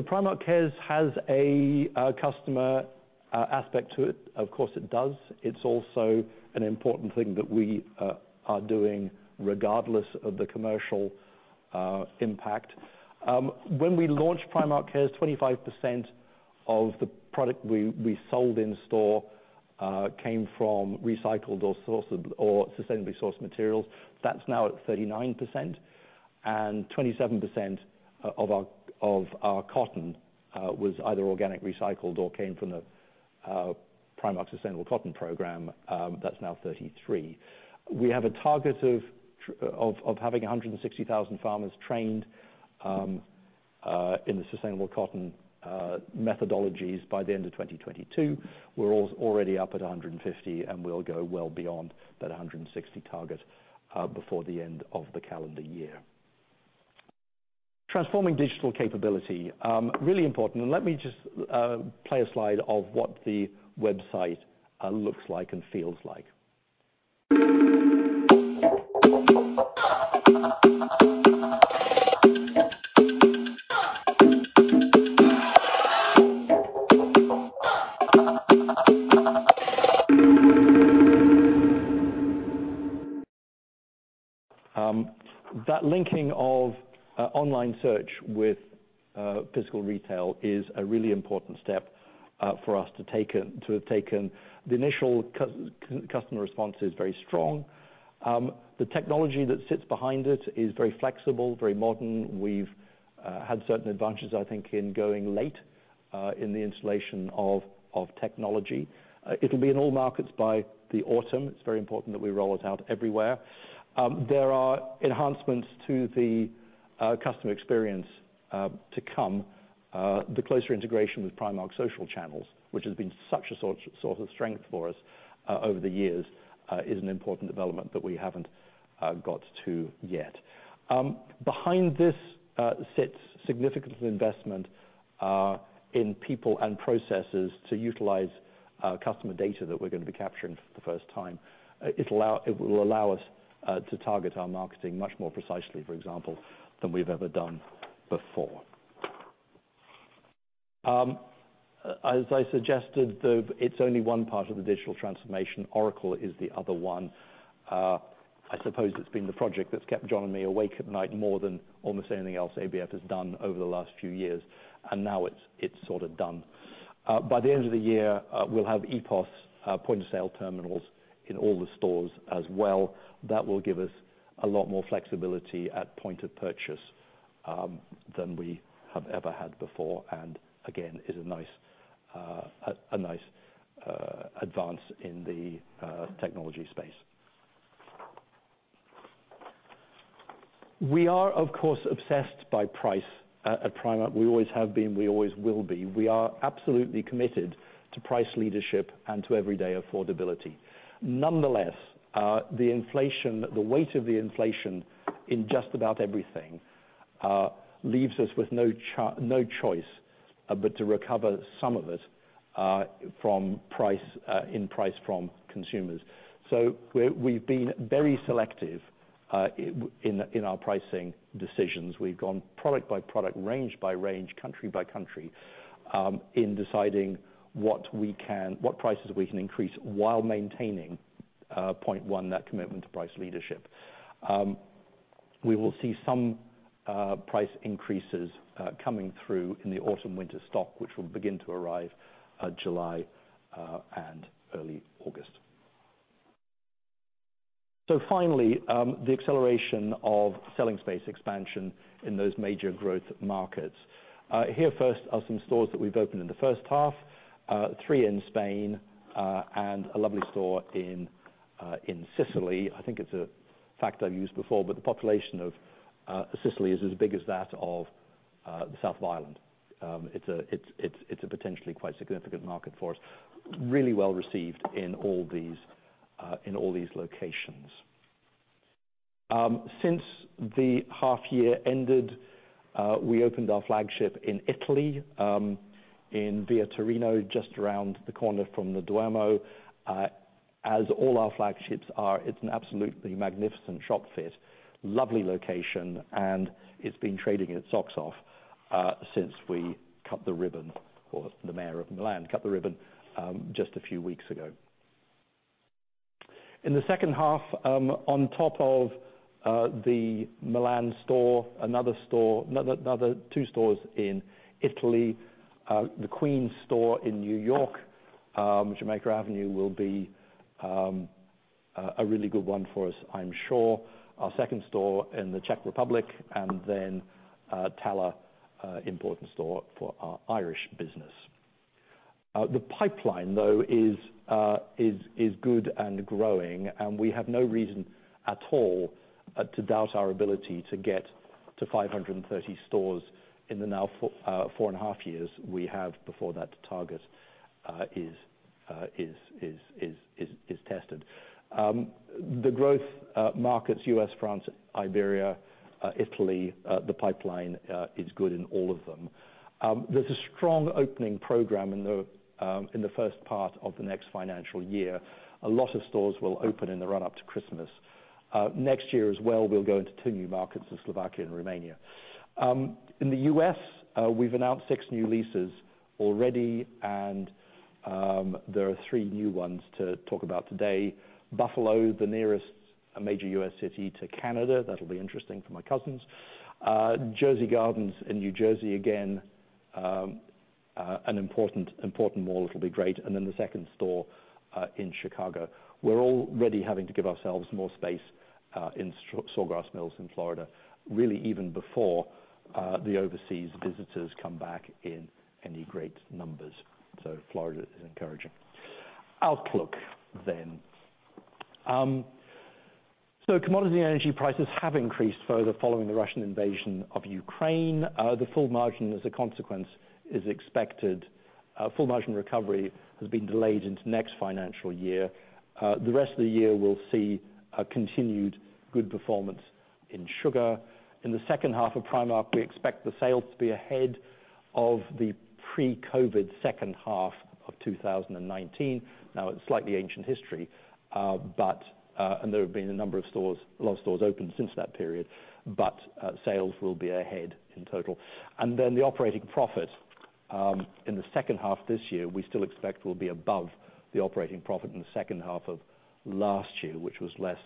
Primark Cares has a customer aspect to it. Of course it does. It's also an important thing that we are doing regardless of the commercial impact. When we launched Primark Cares, 25% of the product we sold in store came from recycled or sustainably sourced materials. That's now at 39% and 27% of our cotton was either organic recycled or came from the Primark Sustainable Cotton Programme. That's now 33%. We have a target of having 160,000 farmers trained in the sustainable cotton methodologies by the end of 2022. We're already up at 150, and we'll go well beyond that 160 target before the end of the calendar year. Transforming digital capability really important. Let me just play a slide of what the website looks like and feels like. That linking of online search with physical retail is a really important step for us to have taken. The initial customer response is very strong. The technology that sits behind it is very flexible, very modern. We've had certain advantages, I think, in going late in the installation of technology. It'll be in all markets by the autumn. It's very important that we roll it out everywhere. There are enhancements to the customer experience to come. The closer integration with Primark social channels, which has been such a source of strength for us over the years, is an important development that we haven't got to yet. Behind this sits significant investment in people and processes to utilize customer data that we're gonna be capturing for the first time. It will allow us to target our marketing much more precisely, for example, than we've ever done before. As I suggested, it's only one part of the digital transformation. Oracle is the other one. I suppose it's been the project that's kept John and me awake at night more than almost anything else ABF has done over the last few years, and now it's sort of done. By the end of the year, we'll have EPOS point of sale terminals in all the stores as well. That will give us a lot more flexibility at point of purchase than we have ever had before, and again, is a nice advance in the technology space. We are, of course, obsessed by price at Primark. We always have been, we always will be. We are absolutely committed to price leadership and to everyday affordability. Nonetheless, the inflation, the weight of the inflation in just about everything, leaves us with no choice but to recover some of it from price in price from consumers. We've been very selective in our pricing decisions, we've gone product by product, range by range, country by country, in deciding what prices we can increase while maintaining point one, that commitment to price leadership. We will see some price increases coming through in the autumn/winter stock, which will begin to arrive July and early August. Finally, the acceleration of selling space expansion in those major growth markets. Here first are some stores that we've opened in the first half, 3 in Spain and a lovely store in Sicily. I think it's a fact I've used before, but the population of Sicily is as big as that of the South Island. It's a potentially quite significant market for us. Really well received in all these locations. Since the half year ended, we opened our flagship in Italy in Via Torino, just around the corner from the Duomo. As all our flagships are, it's an absolutely magnificent shop fit, lovely location, and it's been trading its socks off since we cut the ribbon, or the Mayor of Milan cut the ribbon, just a few weeks ago. In the second half, on top of the Milan store, another two stores in Italy, the Queens store in New York, Jamaica Avenue, will be a really good one for us, I'm sure. Our second store in the Czech Republic, and then Tallaght, important store for our Irish business. The pipeline though is good and growing, and we have no reason at all to doubt our ability to get to 530 stores in the now 4.5 years we have before that target is tested. The growth markets U.S., France, Iberia, Italy, the pipeline is good in all of them. There's a strong opening program in the first part of the next financial year. A lot of stores will open in the run-up to Christmas. Next year as well, we'll go into two new markets in Slovakia and Romania. In the U.S., we've announced six new leases already, and there are three new ones to talk about today. Buffalo, the nearest major U.S. city to Canada, that'll be interesting for my cousins. Jersey Gardens in New Jersey, again, an important mall. It'll be great. The second store in Chicago. We're already having to give ourselves more space in Sawgrass Mills in Florida, really even before the overseas visitors come back in any great numbers. Florida is encouraging. Outlook then. Commodity and energy prices have increased further following the Russian invasion of Ukraine. The full margin as a consequence is expected. Full margin recovery has been delayed into next financial year. The rest of the year will see a continued good performance in sugar. In the second half of Primark, we expect the sales to be ahead of the pre-COVID second half of 2019. Now it's slightly ancient history, but and there have been a number of stores, a lot of stores opened since that period, but sales will be ahead in total. Then the operating profit in the second half this year, we still expect will be above the operating profit in the second half of last year, which was less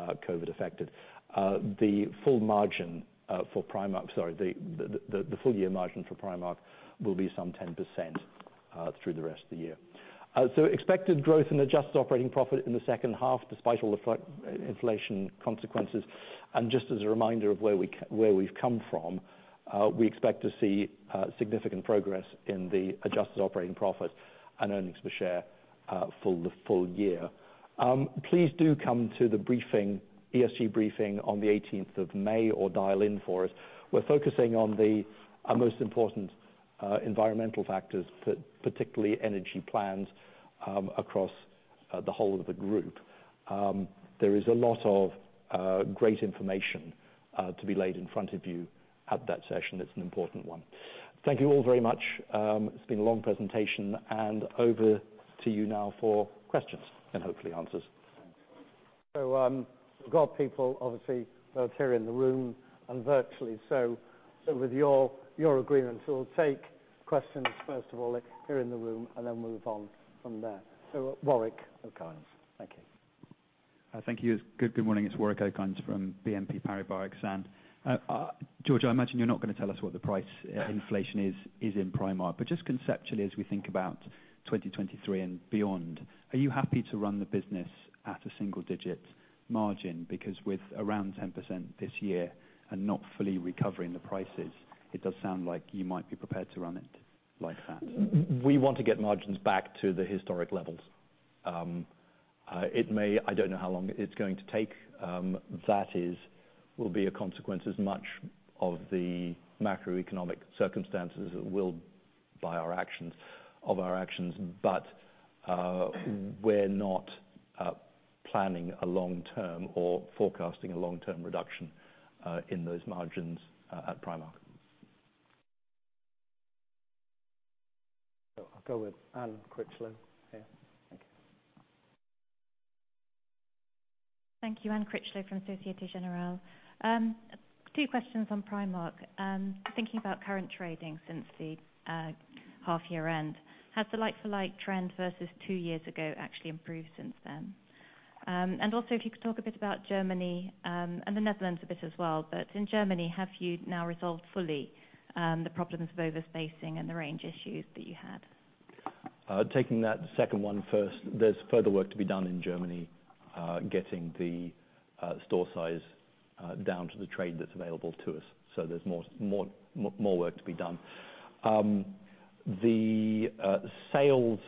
COVID affected. The full margin for Primark. Sorry, the full year margin for Primark will be some 10% through the rest of the year. Expected growth in adjusted operating profit in the second half, despite all the inflation consequences. Just as a reminder of where we've come from, we expect to see significant progress in the adjusted operating profit and earnings per share for the full year. Please do come to the briefing, ESG briefing on the 18th of May or dial in for us. We're focusing on our most important environmental factors, particularly energy plans, across the whole of the group. There is a lot of great information to be laid in front of you at that session. It's an important one. Thank you all very much. It's been a long presentation, and over to you now for questions and hopefully answers. We've got people obviously both here in the room and virtually so. With your agreement, we'll take questions first of all here in the room and then move on from there. Warwick, of course. Thank you. Thank you. Good morning. It's Warwick Okines from BNP Paribas Exane, and George, I imagine you're not gonna tell us what the price inflation is in Primark, but just conceptually, as we think about 2023 and beyond, are you happy to run the business at a single-digit margin? Because with around 10% this year and not fully recovering the prices, it does sound like you might be prepared to run it like that. We want to get margins back to the historic levels. It may. I don't know how long it's going to take. That will be a consequence as much of the macroeconomic circumstances as of our actions. We're not planning a long-term or forecasting a long-term reduction in those margins at Primark. I'll go with Anne Critchlow here. Thank you. Thank you. Anne Critchlow from Société Générale. Two questions on Primark. Thinking about current trading since the half year end, has the like-for-like trend versus two years ago actually improved since then? And also, if you could talk a bit about Germany, and the Netherlands a bit as well, but in Germany, have you now resolved fully, the problems of overspacing and the range issues that you had? Taking that second one first, there's further work to be done in Germany, getting the store size down to the trade that's available to us. So there's more work to be done. The sales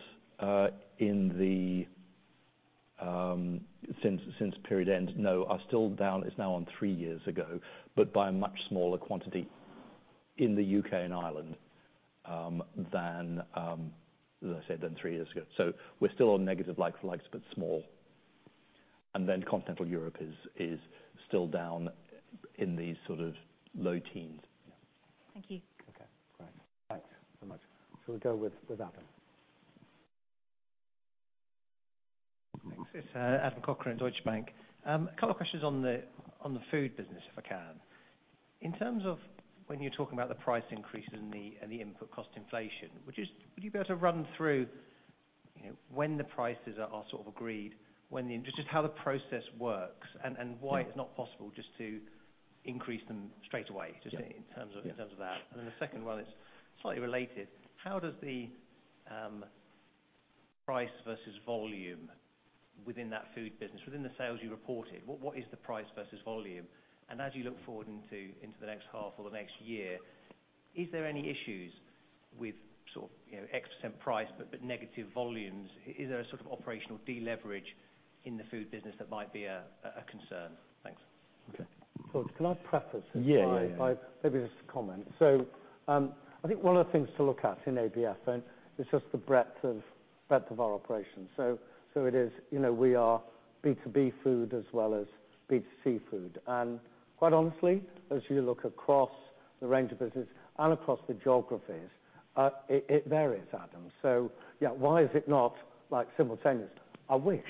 since period end are still down. It's now down on three years ago, but by a much smaller quantity in the U.K. and Ireland than, as I said, three years ago. So we're still on negative like-for-likes, but small. Then Continental Europe is still down in the sort of low teens%. Thank you. Okay. All right. Thanks so much. Shall we go with Adam? Thanks. It's Adam Cochrane, Deutsche Bank. A couple of questions on the food business, if I can. In terms of when you're talking about the price increases and the input cost inflation, would you be able to run through, you know, when the prices are sort of agreed, when the just how the process works and why it's not possible just to increase them straight away, just in terms of that. Yeah. The second one is slightly related. How does the price versus volume within that food business, within the sales you reported, what is the price versus volume? As you look forward into the next half or the next year, is there any issues with sort of, you know, X% price, but negative volumes? Is there a sort of operational deleverage in the food business that might be a concern? Thanks. Okay. George, can I preface this? Yeah, yeah. By maybe just a comment. I think one of the things to look at in ABF is just the breadth of our operations. It is, you know, we are B2B food as well as B2C food. And quite honestly, as you look across the range of business and across the geographies, it varies, Adam. Yeah, why is it not like simultaneous? I wish,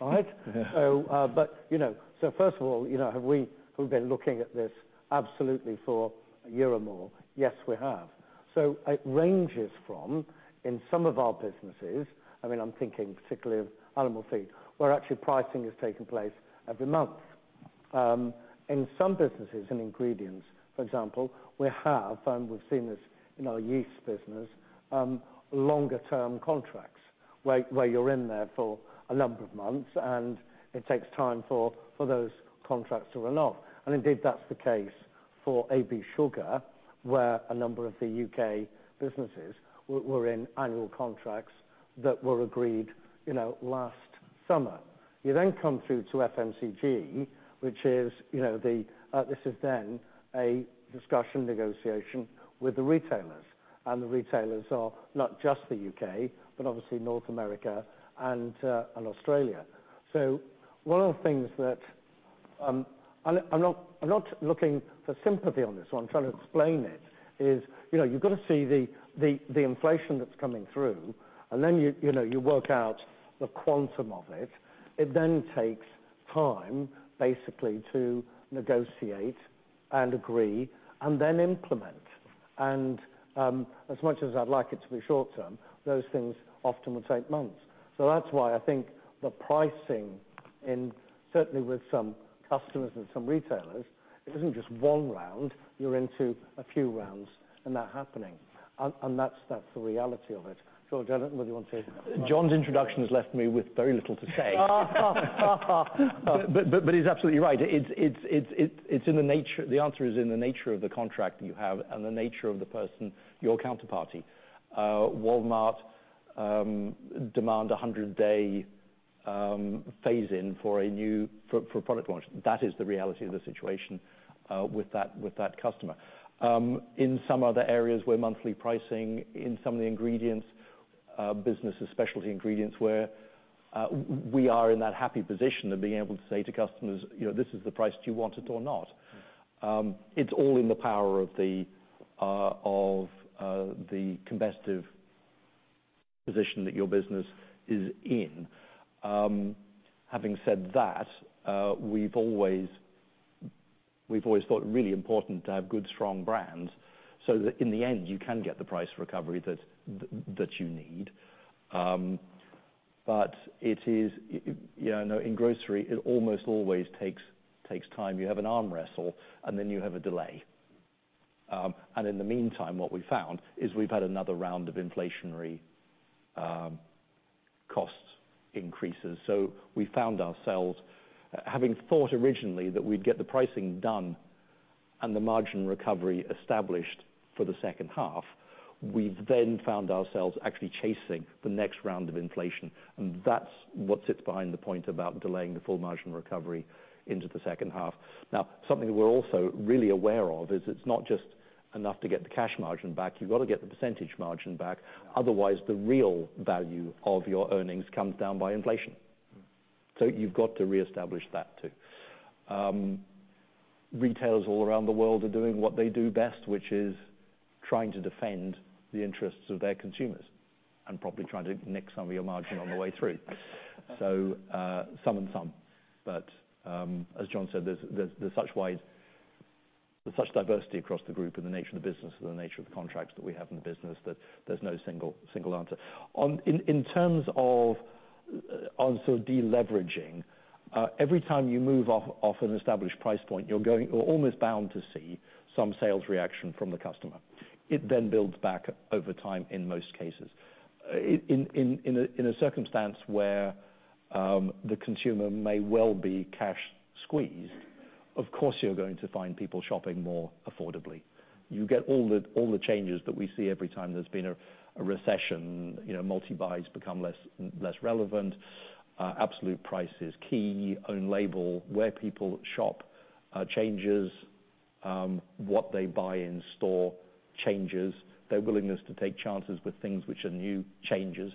right? First of all, you know, have we been looking at this absolutely for a year or more? Yes, we have. It ranges from, in some of our businesses, I mean, I'm thinking particularly of animal feed, where actually pricing is taking place every month. In some businesses and ingredients, for example, we have, we've seen this in our yeast business, longer term contracts where you're in there for a number of months, and it takes time for those contracts to run off. Indeed, that's the case for AB Sugar, where a number of the U.K. businesses were in annual contracts that were agreed, you know, last summer. You then come through to FMCG, which is, you know, the, this is then a discussion, negotiation with the retailers. The retailers are not just the U.K., but obviously North America and Australia. One of the things that, I'm not looking for sympathy on this one, I'm trying to explain it, is, you know, you've got to see the inflation that's coming through, and then you know, you work out the quantum of it. It then takes time basically to negotiate and agree and then implement. As much as I'd like it to be short term, those things often will take months. That's why I think the pricing in certainly with some customers and some retailers, it isn't just one round. You're into a few rounds and that happening and that's the reality of it. George, I don't know whether you want to- John's introduction has left me with very little to say. He's absolutely right. It's in the nature, the answer is in the nature of the contract you have and the nature of the person, your counterparty. Walmart demand a 100-day phase-in for a new for a product launch. That is the reality of the situation with that customer. In some other areas where monthly pricing in some of the ingredients businesses, specialty ingredients, where we are in that happy position of being able to say to customers, "You know, this is the price. Do you want it or not?" It's all in the power of the competitive position that your business is in. Having said that, we've always thought it really important to have good, strong brands so that in the end you can get the price recovery that you need. It is, you know, in grocery, it almost always takes time. You have an arm wrestle and then you have a delay. In the meantime, what we found is we've had another round of inflationary cost increases. We found ourselves having thought originally that we'd get the pricing done and the margin recovery established for the second half. We've then found ourselves actually chasing the next round of inflation. That's what sits behind the point about delaying the full margin recovery into the second half. Now, something we're also really aware of is it's not just enough to get the cash margin back. You've got to get the percentage margin back. Otherwise, the real value of your earnings comes down by inflation. You've got to reestablish that too. Retailers all around the world are doing what they do best, which is trying to defend the interests of their consumers and probably trying to nick some of your margin on the way through. Some and some. As John said, there's such diversity across the group and the nature of the business and the nature of the contracts that we have in the business that there's no single answer. In terms of also deleveraging, every time you move off an established price point, you're almost bound to see some sales reaction from the customer. It then builds back up over time in most cases. In a circumstance where the consumer may well be cash squeezed, of course, you're going to find people shopping more affordably. You get all the changes that we see every time there's been a recession. You know, multi-buys become less relevant. Absolute price is key. Own label, where people shop, changes. What they buy in store changes. Their willingness to take chances with things which are new changes.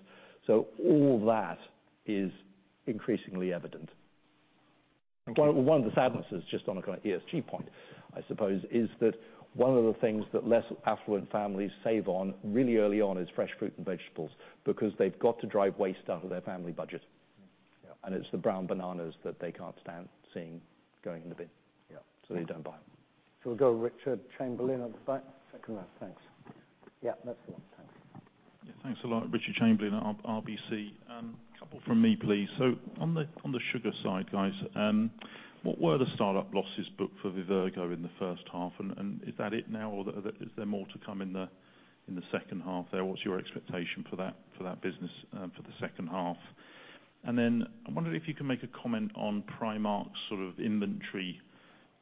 All that is increasingly evident. Okay. One of the sadnesses, just on a kind of ESG point, I suppose, is that one of the things that less affluent families save on really early on is fresh fruit and vegetables because they've got to drive waste out of their family budget. Yeah. It's the brown bananas that they can't stand seeing going in the bin. Yeah. They don't buy them. We'll go Richard Chamberlain at the back. Second row. Thanks. Yeah, that's the one. Thanks. Yeah, thanks a lot. Richard Chamberlain, RBC. Couple from me, please. On the sugar side, guys, what were the startup losses booked for Vivergo in the first half? And is that it now, or is there more to come in the second half there? What's your expectation for that business for the second half? And then I wondered if you can make a comment on Primark's sort of inventory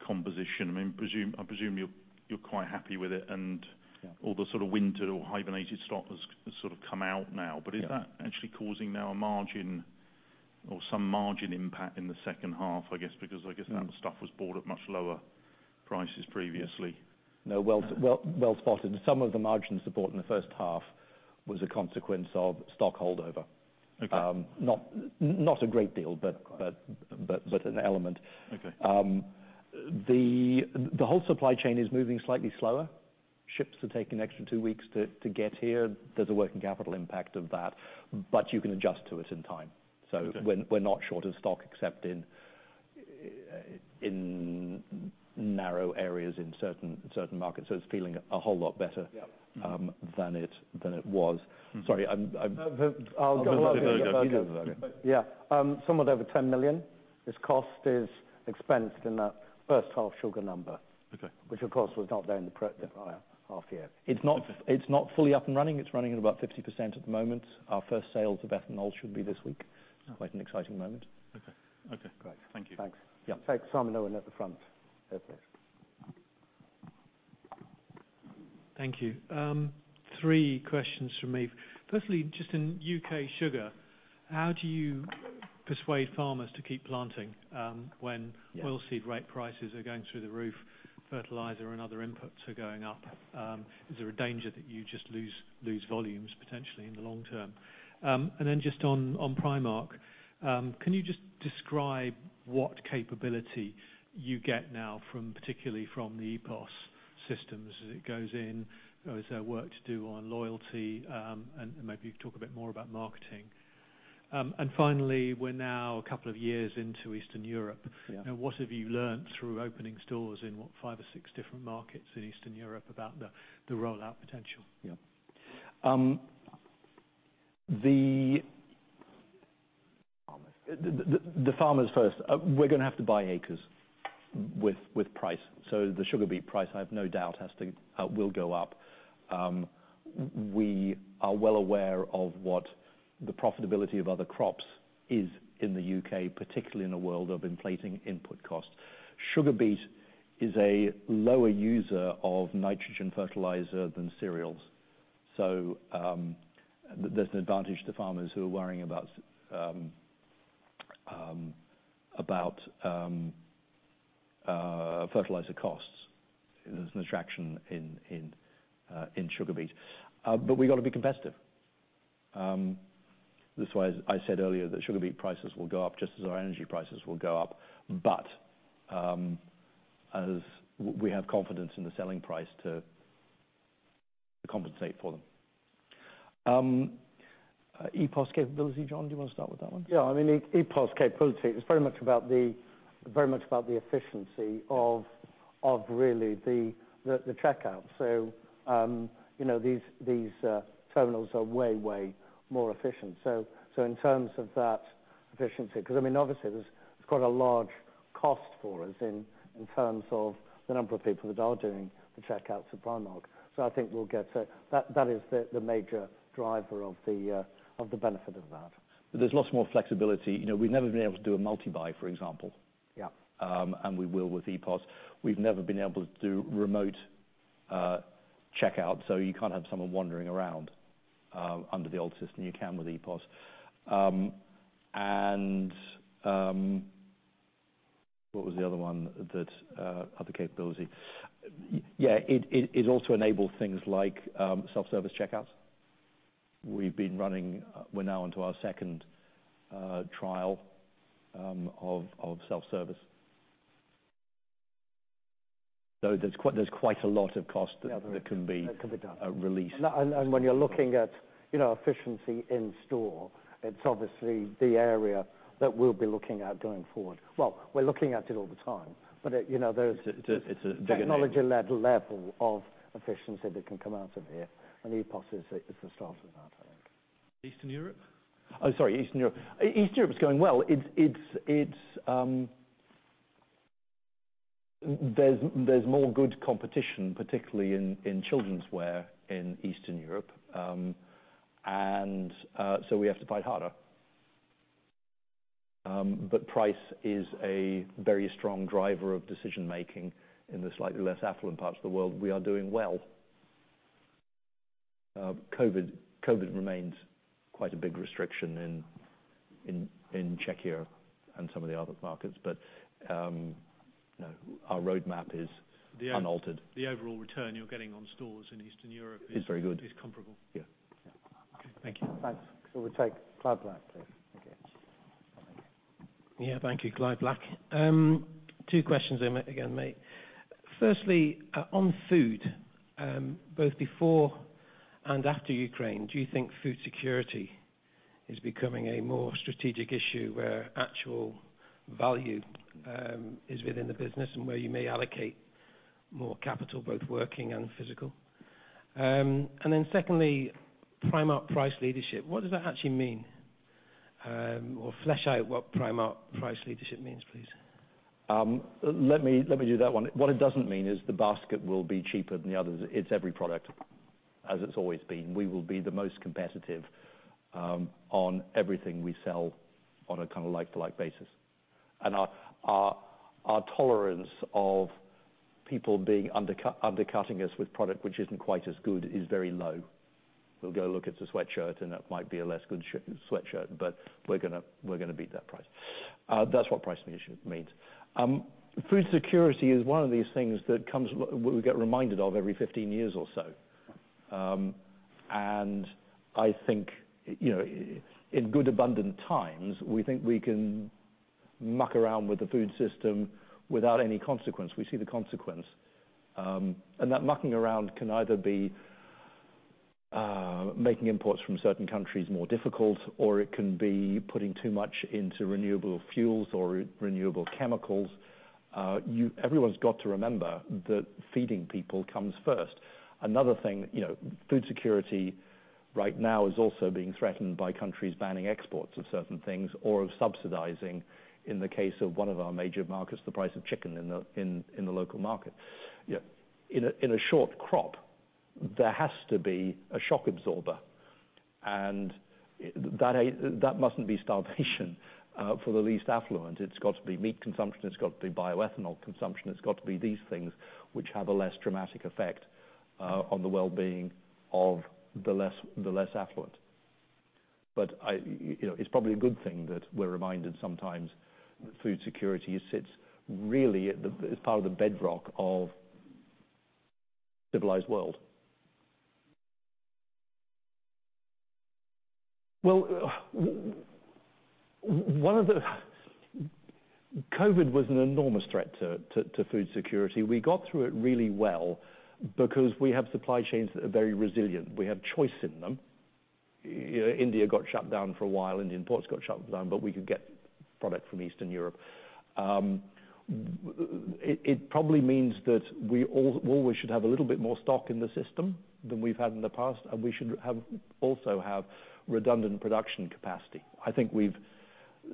composition. I mean, I presume you're quite happy with it and Yeah. All the sort of winter or hibernated stock has sort of come out now. Yeah. Is that actually causing now a margin or some margin impact in the second half, I guess, because I guess that stuff was bought at much lower prices previously? No. Well, well, well spotted. Some of the margin support in the first half was a consequence of stock holdover. Okay. Not a great deal, but an element. Okay. The whole supply chain is moving slightly slower. Ships are taking an extra two weeks to get here. There's a working capital impact of that, but you can adjust to it in time. Okay. We're not short of stock, except in narrow areas in certain markets. It's feeling a whole lot better- Yeah. Mm-hmm. -than it was. Mm-hmm. Sorry, I'm- I'll go Vivergo. Vivergo. You do Vivergo. Yeah. Somewhat over 10 million cost is expensed in that first half sugar number. Okay. Which of course was not there in the pre-half year. It's not fully up and running. It's running at about 50% at the moment. Our first sales of ethanol should be this week. Oh. Quite an exciting moment. Okay. Okay. Great. Thank you. Thanks. Yeah. Thanks. Simon Owen at the front. Yeah, please. Thank you. Three questions from me. Firstly, just in U.K. sugar, how do you persuade farmers to keep planting, when oilseed rape prices are going through the roof, fertilizer and other inputs are going up? Is there a danger that you just lose volumes potentially in the long term? And then just on Primark, can you just describe what capability you get now from, particularly from the EPOS systems as it goes in? Is there work to do on loyalty? And maybe you could talk a bit more about marketing. And finally, we're now a couple of years into Eastern Europe. Yeah. Now, what have you learned through opening stores in what? Five or six different markets in Eastern Europe about the rollout potential. Yeah. Farmers. The farmers first. We're gonna have to buy acres with price. The sugar beet price, I have no doubt, has to will go up. We are well aware of what the profitability of other crops is in the U.K., particularly in a world of inflating input costs. Sugar beet is a lower user of nitrogen fertilizer than cereals. There's an advantage to farmers who are worrying about fertilizer costs. There's an attraction in sugar beet. We've got to be competitive. That's why I said earlier that sugar beet prices will go up just as our energy prices will go up. We have confidence in the selling price to compensate for them. EPOS capability, John, do you wanna start with that one? Yeah, I mean, EPOS capability is very much about the efficiency of really the checkout. You know, these terminals are way more efficient. In terms of that efficiency, 'cause I mean obviously there's quite a large cost for us in terms of the number of people that are doing the checkouts at Primark. I think we'll get to that. That is the major driver of the benefit of that. There's lots more flexibility. You know, we've never been able to do a multi-buy, for example. Yeah. We will with EPOS. We've never been able to do remote checkout, so you can't have someone wandering around under the old system. You can with EPOS. What was the other one that had the capability? Yeah, it also enabled things like self-service checkouts. We've been running. We're now onto our second trial of self-service. There's quite a lot of cost that can be- That can be done. -released. When you're looking at, you know, efficiency in store, it's obviously the area that we'll be looking at going forward. Well, we're looking at it all the time, but, you know, there's- It's a big enabler. -technology-led level of efficiency that can come out of here, and EPOS is the start of that, I think. Eastern Europe is going well. There's more good competition, particularly in children's wear in Eastern Europe. We have to fight harder. Price is a very strong driver of decision-making in the slightly less affluent parts of the world. We are doing well. COVID remains quite a big restriction in Czechia and some of the other markets. You know, our roadmap is unaltered. The overall return you're getting on stores in Eastern Europe is- is very good. -is comparable. Yeah. Okay. Thank you. Thanks. We'll take Clive Black, please. Thank you. Yeah. Thank you. Clive Black. Two questions again, mate. Firstly, on food, both before and after Ukraine, do you think food security is becoming a more strategic issue where actual value is within the business and where you may allocate more capital, both working and physical? Secondly, Primark price leadership. What does that actually mean? Flesh out what Primark price leadership means, please. Let me do that one. What it doesn't mean is the basket will be cheaper than the others. It's every product, as it's always been. We will be the most competitive on everything we sell on a kind of like-for-like basis. Our tolerance of people undercutting us with product which isn't quite as good is very low. We'll go look at the sweatshirt, and it might be a less good sweatshirt, but we're gonna beat that price. That's what price leadership means. Food security is one of these things that comes. We get reminded of every 15 years or so. I think, you know, in good abundant times, we think we can muck around with the food system without any consequence. We see the consequence. That mucking around can either be making imports from certain countries more difficult, or it can be putting too much into renewable fuels or renewable chemicals. Everyone's got to remember that feeding people comes first. Another thing, you know, food security right now is also being threatened by countries banning exports of certain things or of subsidizing, in the case of one of our major markets, the price of chicken in the local market. In a short crop, there has to be a shock absorber, and that mustn't be starvation for the least affluent. It's got to be meat consumption, it's got to be bioethanol consumption. It's got to be these things which have a less dramatic effect on the well-being of the less affluent. I, you know, it's probably a good thing that we're reminded sometimes that food security sits really at the, as part of the bedrock of civilized world. Well, one of the COVID was an enormous threat to food security. We got through it really well because we have supply chains that are very resilient. We have choice in them. You know, India got shut down for a while, Indian ports got shut down, but we could get product from Eastern Europe. It probably means that we always should have a little bit more stock in the system than we've had in the past, and we should also have redundant production capacity. I think we've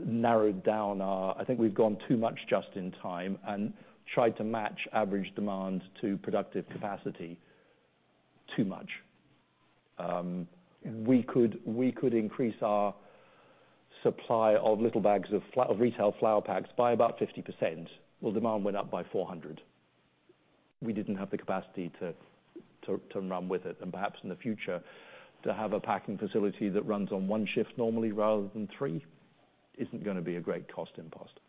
narrowed down our. I think we've gone too much just in time and tried to match average demand to productive capacity too much. We could increase our supply of little bags of retail flour packs by about 50%. Well, demand went up by 400%. We didn't have the capacity to run with it. Perhaps in the future, to have a packing facility that runs on one shift normally rather than three, isn't gonna be a great cost impost.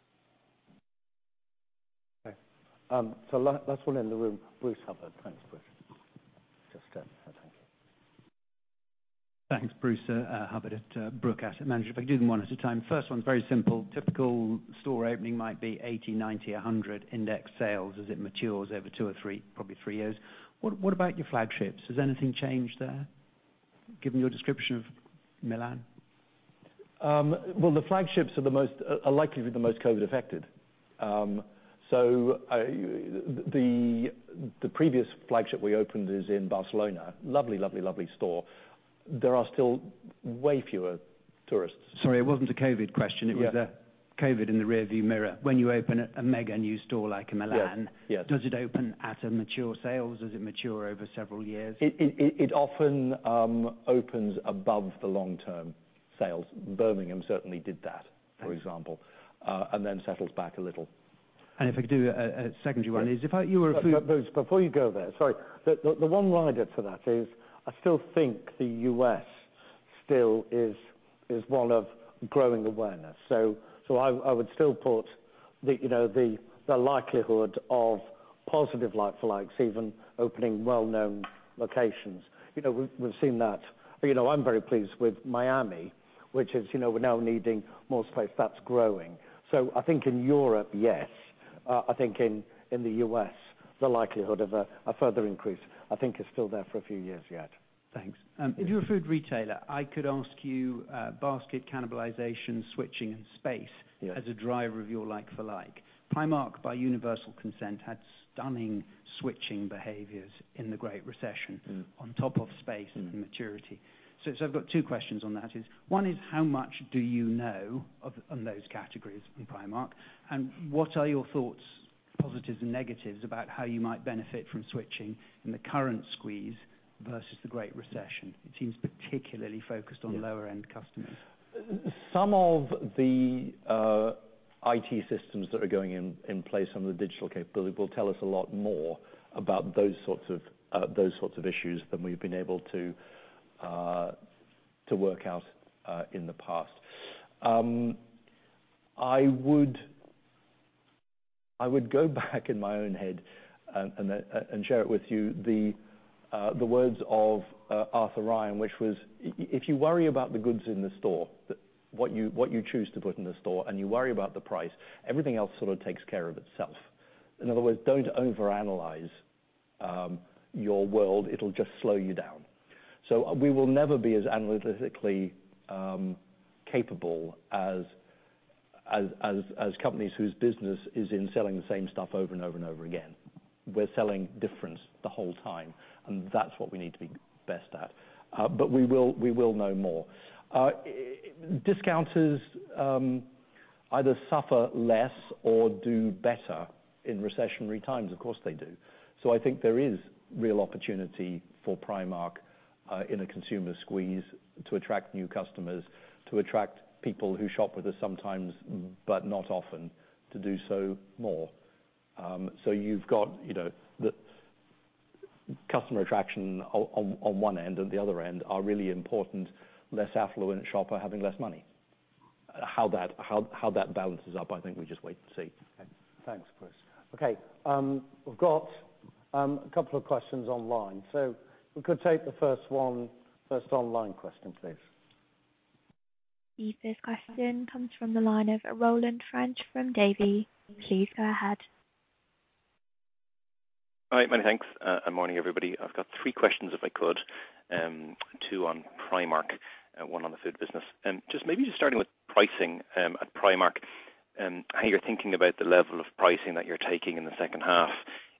Okay. So last one in the room. Bruce Hubbard. Thanks, Bruce. Just thank you. Thanks. Bruce Hubbard at Odey Asset Management. If I could do them one at a time. First one, very simple. Typical store opening might be 80, 90, 100 index sales as it matures over two or three, probably three years. What about your flagships? Has anything changed there, given your description of Milan? The flagships are likely the most COVID-affected. The previous flagship we opened is in Barcelona. Lovely store. There are still way fewer tourists. Sorry, it wasn't a COVID question. Yeah. It was a COVID in the rear view mirror. When you open a mega new store like in Milan. Yes, yes. Does it open at a mature sales? Does it mature over several years? It often opens above the long-term sales. Birmingham certainly did that- Thanks -for example, and then settles back a little. If I could do a secondary one is you were Bruce, before you go there, sorry. The one rider for that is I still think the U.S. still is one of growing awareness. I would still put the, you know, the likelihood of positive like-for-likes even opening well-known locations. You know, we've seen that. You know, I'm very pleased with Miami, which is, you know, we're now needing more space. That's growing. I think in Europe, yes. I think in the U.S., the likelihood of a further increase I think is still there for a few years yet. Thanks. If you're a food retailer, I could ask you, basket cannibalization, switching, and space. Yeah As a driver of your like-for-like. Primark, by universal consent, had stunning switching behaviors in the Great Recession. Mm. On top of space and maturity. So I've got two questions on that is, one is how much do you know of, on those categories in Primark? What are your thoughts, positives, and negatives about how you might benefit from switching in the current squeeze versus the Great Recession? It seems particularly focused on lower-end customers. Some of the IT systems that are going in place on the digital capability will tell us a lot more about those sorts of issues than we've been able to work out in the past. I would go back in my own head and share it with you, the words of Arthur Ryan, which was, "If you worry about the goods in the store, what you choose to put in the store, and you worry about the price, everything else sort of takes care of itself." In other words, don't overanalyze your world, it'll just slow you down. We will never be as analytically capable as companies whose business is in selling the same stuff over and over and over again. We're selling difference the whole time, and that's what we need to be best at. We will know more. Discounters either suffer less or do better in recessionary times. Of course they do. I think there is real opportunity for Primark in a consumer squeeze to attract new customers, to attract people who shop with us sometimes, but not often, to do so more. You've got, you know, the customer attraction on one end, and the other end are really important, less affluent shopper having less money. How that balances up, I think we just wait and see. Okay. Thanks, Chris. Okay, we've got a couple of questions online. If we could take the first online question, please. The first question comes from the line of Roland French from Davy. Please go ahead. All right. Many thanks and morning, everybody. I've got three questions, if I could. Two on Primark and one on the food business. Just maybe starting with pricing at Primark and how you're thinking about the level of pricing that you're taking in the second half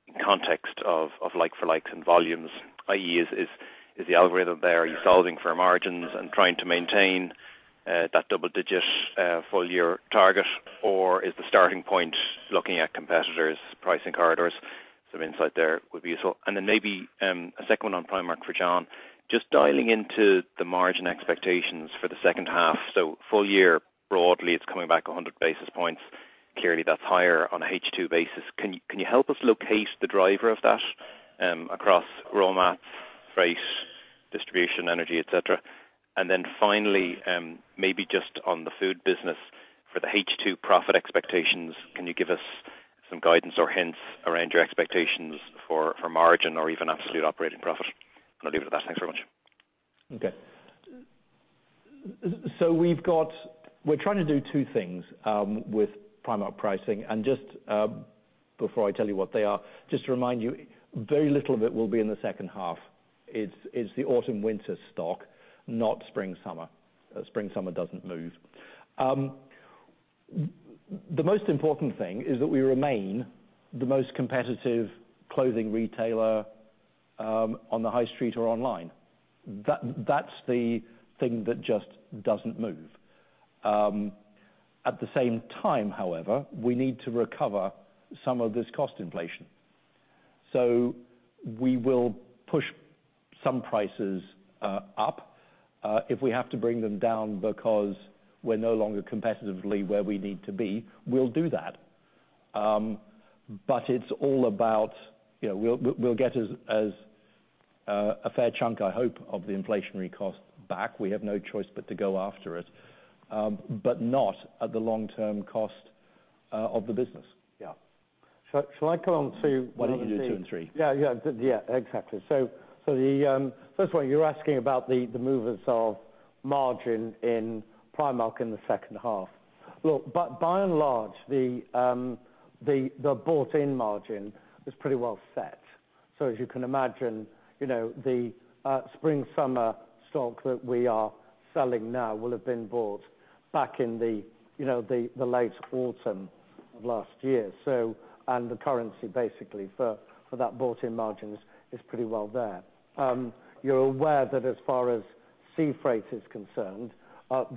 in context of like-for-likes and volumes, i.e., is the algorithm there? Are you solving for margins and trying to maintain that double digit full year target? Or is the starting point looking at competitors' pricing corridors? Some insight there would be useful. Maybe a second one on Primark for John. Just dialing into the margin expectations for the second half. Full year broadly, it's coming back 100 basis points. Clearly, that's higher on a H2 basis. Can you help us locate the driver of that, across raw materials, freight, distribution, energy, et cetera? Finally, maybe just on the food business for the H2 profit expectations, can you give us some guidance or hints around your expectations for margin or even absolute operating profit? I'll leave it at that. Thanks very much. Okay. We've got trying to do two things with Primark pricing. Just before I tell you what they are, just to remind you, very little of it will be in the second half. It's the autumn/winter stock, not spring/summer. Spring/summer doesn't move. The most important thing is that we remain the most competitive clothing retailer on the high street or online. That's the thing that just doesn't move. At the same time, however, we need to recover some of this cost inflation. We will push some prices up. If we have to bring them down because we're no longer competitively where we need to be, we'll do that. It's all about, you know, we'll get as a fair chunk, I hope, of the inflationary cost back. We have no choice but to go after it, but not at the long-term cost of the business. Yeah. Shall I come on to one or two? Why don't you do two and three? Yeah, exactly. The first one you're asking about the movers of margin in Primark in the second half. Look, by and large, the bought-in margin is pretty well set. As you can imagine, you know, the spring/summer stock that we are selling now will have been bought back in the, you know, the late autumn of last year. The currency basically for that bought in margins is pretty well there. You're aware that as far as sea freight is concerned,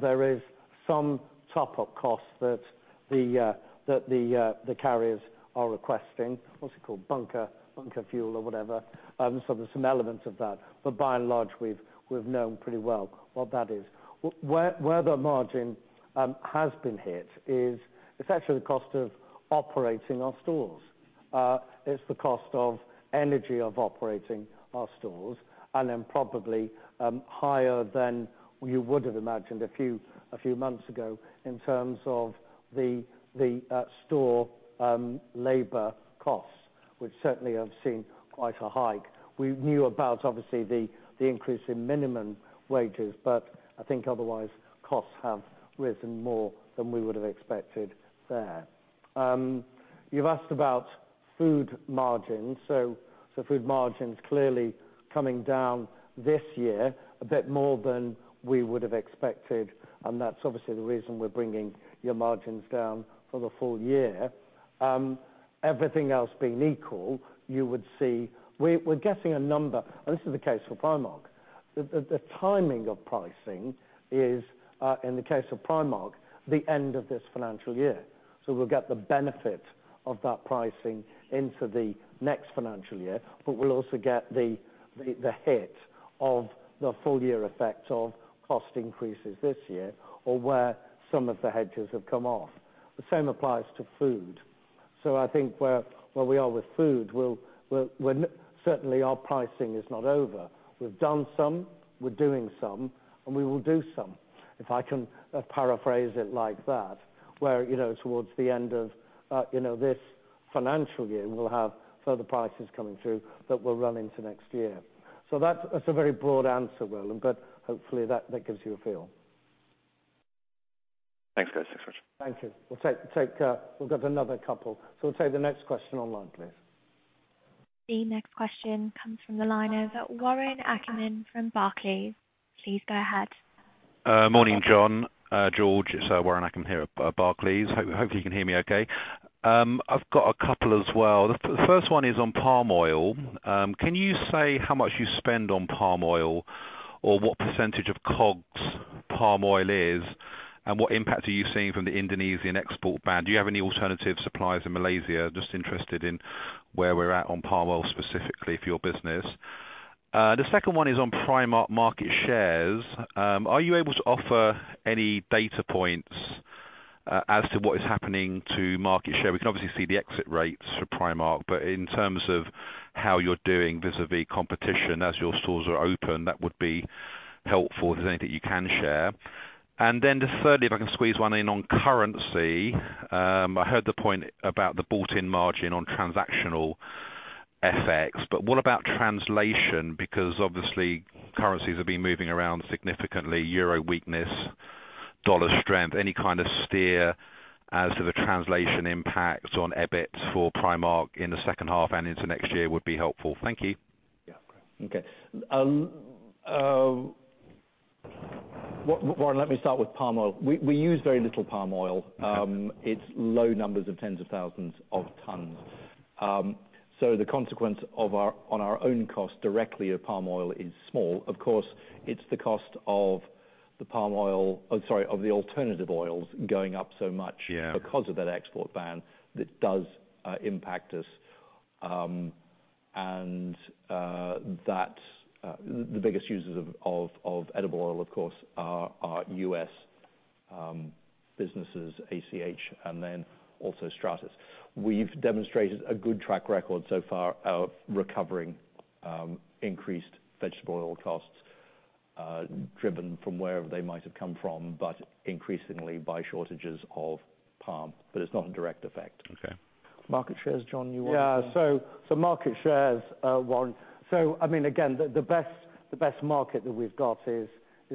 there is some top-up costs that the carriers are requesting. What's it called? Bunker fuel or whatever. There's some elements of that. By and large, we've known pretty well what that is. Where the margin has been hit is, it's actually the cost of operating our stores. It's the cost of energy of operating our stores and then probably higher than you would have imagined a few months ago in terms of the store labor costs, which certainly have seen quite a hike. We knew about obviously the increase in minimum wages, but I think otherwise costs have risen more than we would have expected there. You've asked about food margins. Food margins clearly coming down this year a bit more than we would have expected, and that's obviously the reason we're bringing your margins down for the full year. Everything else being equal, you would see. We're getting a number. This is the case for Primark. The timing of pricing is, in the case of Primark, the end of this financial year. We'll get the benefit of that pricing into the next financial year, but we'll also get the hit of the full year effect of cost increases this year or where some of the hedges have come off. The same applies to food. I think where we are with food, we're certainly our pricing is not over. We've done some, we're doing some, and we will do some, if I can paraphrase it like that, where, you know, towards the end of, you know, this financial year, we'll have further prices coming through that will run into next year. That's a very broad answer, Roland, but hopefully that gives you a feel. Thanks, guys. Thanks very much. Thank you. We've got another couple. We'll take the next question online, please. The next question comes from the line of Warren Ackerman from Barclays. Please go ahead. Morning, John, George. It's Warren Ackerman here at Barclays. Hopefully you can hear me okay. I've got a couple as well. The first one is on palm oil. Can you say how much you spend on palm oil or what percentage of COGS palm oil is, and what impact are you seeing from the Indonesian export ban? Do you have any alternative suppliers in Malaysia? Just interested in where we're at on palm oil, specifically for your business. The second one is on Primark market shares. Are you able to offer any data points as to what is happening to market share? We can obviously see the exit rates for Primark, but in terms of how you're doing vis-a-vis competition as your stores are open, that would be helpful if there's anything you can share. Just thirdly, if I can squeeze one in on currency. I heard the point about the built-in margin on transactional FX, but what about translation? Because obviously currencies have been moving around significantly, euro weakness, U.S. dollar strength. Any kind of steer as to the translation impact on EBIT for Primark in the second half and into next year would be helpful. Thank you. Yeah. Okay. Warren, let me start with palm oil. We use very little palm oil. Okay. It's low numbers of tens of thousands of tons. The consequence on our own cost directly of palm oil is small. Of course, of the alternative oils going up so much. Yeah Because of that export ban that does impact us. That's the biggest users of edible oil, of course, are U.S. businesses, ACH and then also Stratas. We've demonstrated a good track record so far of recovering increased vegetable oil costs driven from wherever they might have come from, but increasingly by shortages of palm. It's not a direct effect. Okay. Market shares, John. Yeah. Market shares, Warren. I mean, again, the best market that we've got is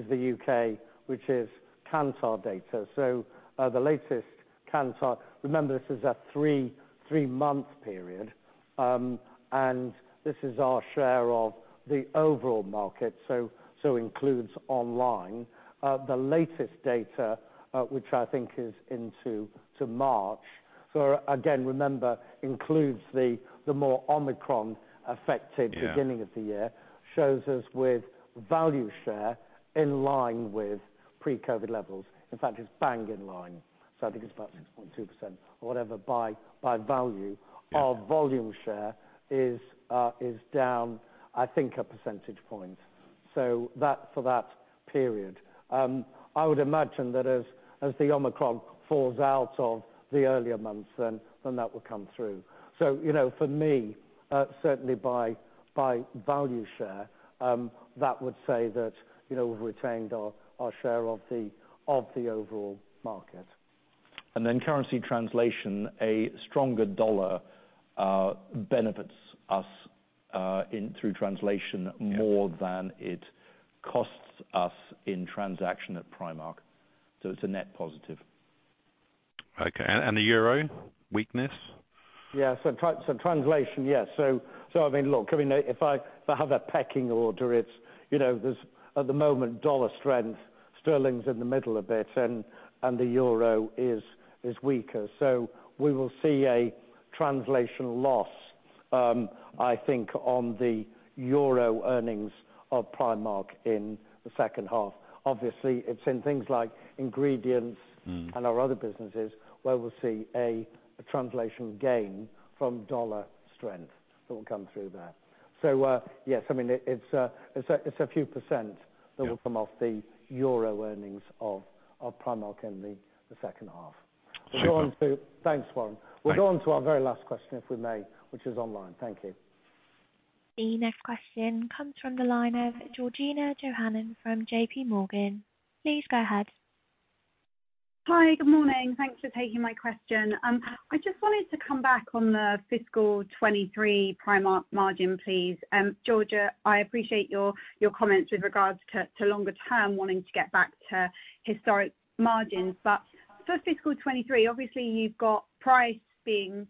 the U.K., which is Kantar data. The latest Kantar, remember, this is a three-month period, and this is our share of the overall market, so includes online. The latest data, which I think is up to March, again, remember, includes the more Omicron affected- Yeah Beginning of the year shows us with value share in line with pre-COVID levels. In fact, it's bang in line. I think it's about 6.2% or whatever by value. Yeah. Our volume share is down, I think a percentage point, so that for that period. I would imagine that as the Omicron falls out of the earlier months, then that will come through. You know, for me, certainly by value share, that would say that, you know, we've retained our share of the overall market. Then currency translation, a stronger U.S. dollar, benefits us through translation more than it costs us in transaction at Primark. It's a net positive. Okay. The euro? Weakness? I mean, look, if I have a pecking order, you know, there's at the moment dollar strength, sterling's in the middle a bit and the euro is weaker. We will see a translational loss, I think, on the euro earnings of Primark in the second half. Obviously, it's in things like ingredients. Mm. Our other businesses where we'll see a translational gain from dollar strength that will come through there. Yes, I mean, it's a few percent- Yeah -that will come off the euro earnings of Primark in the second half. Super. Thanks, Warren. Thanks. We'll go on to our very last question, if we may, which is online. Thank you. The next question comes from the line of Georgina Johanan from J.P. Morgan. Please go ahead. Hi. Good morning. Thanks for taking my question. I just wanted to come back on the fiscal 2023 Primark margin, please. And George, I appreciate your comments with regards to longer term wanting to get back to historic margins. But for fiscal 2023, obviously you've got price being positive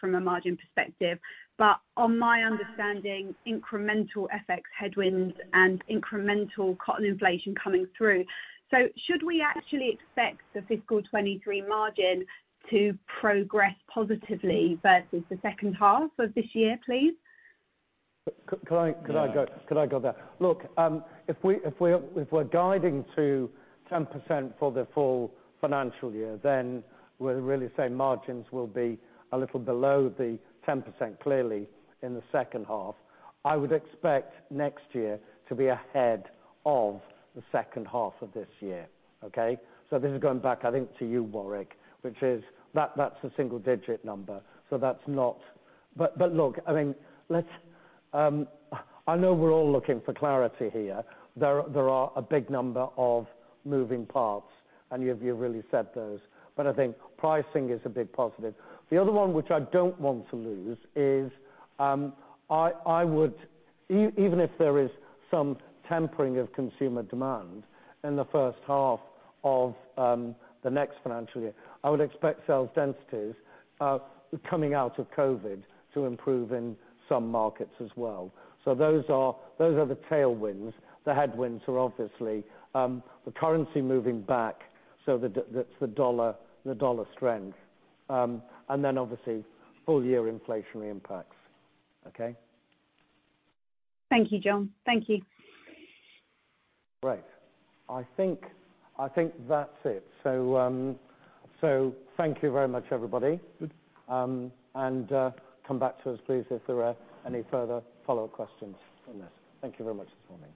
from a margin perspective, but on my understanding, incremental FX headwinds and incremental cotton inflation coming through. Should we actually expect the fiscal 2023 margin to progress positively versus the second half of this year, please? Could I go there? Look, if we're guiding to 10% for the full financial year, then we're really saying margins will be a little below the 10% clearly in the second half. I would expect next year to be ahead of the second half of this year. Okay? This is going back, I think, to you, Warwick, which is that that's a single digit number. That's not. Look, I mean, let's. I know we're all looking for clarity here. There are a big number of moving parts, and you've really said those. I think pricing is a big positive. The other one which I don't want to lose is, I would even if there is some tempering of consumer demand in the first half of the next financial year, I would expect sales densities coming out of COVID to improve in some markets as well. Those are the tailwinds. The headwinds are obviously the currency moving back, that's the dollar, the dollar strength, and then obviously full year inflationary impacts. Okay. Thank you, John. Thank you. Great. I think that's it. Thank you very much, everybody, and come back to us, please, if there are any further follow-up questions on this. Thank you very much this morning.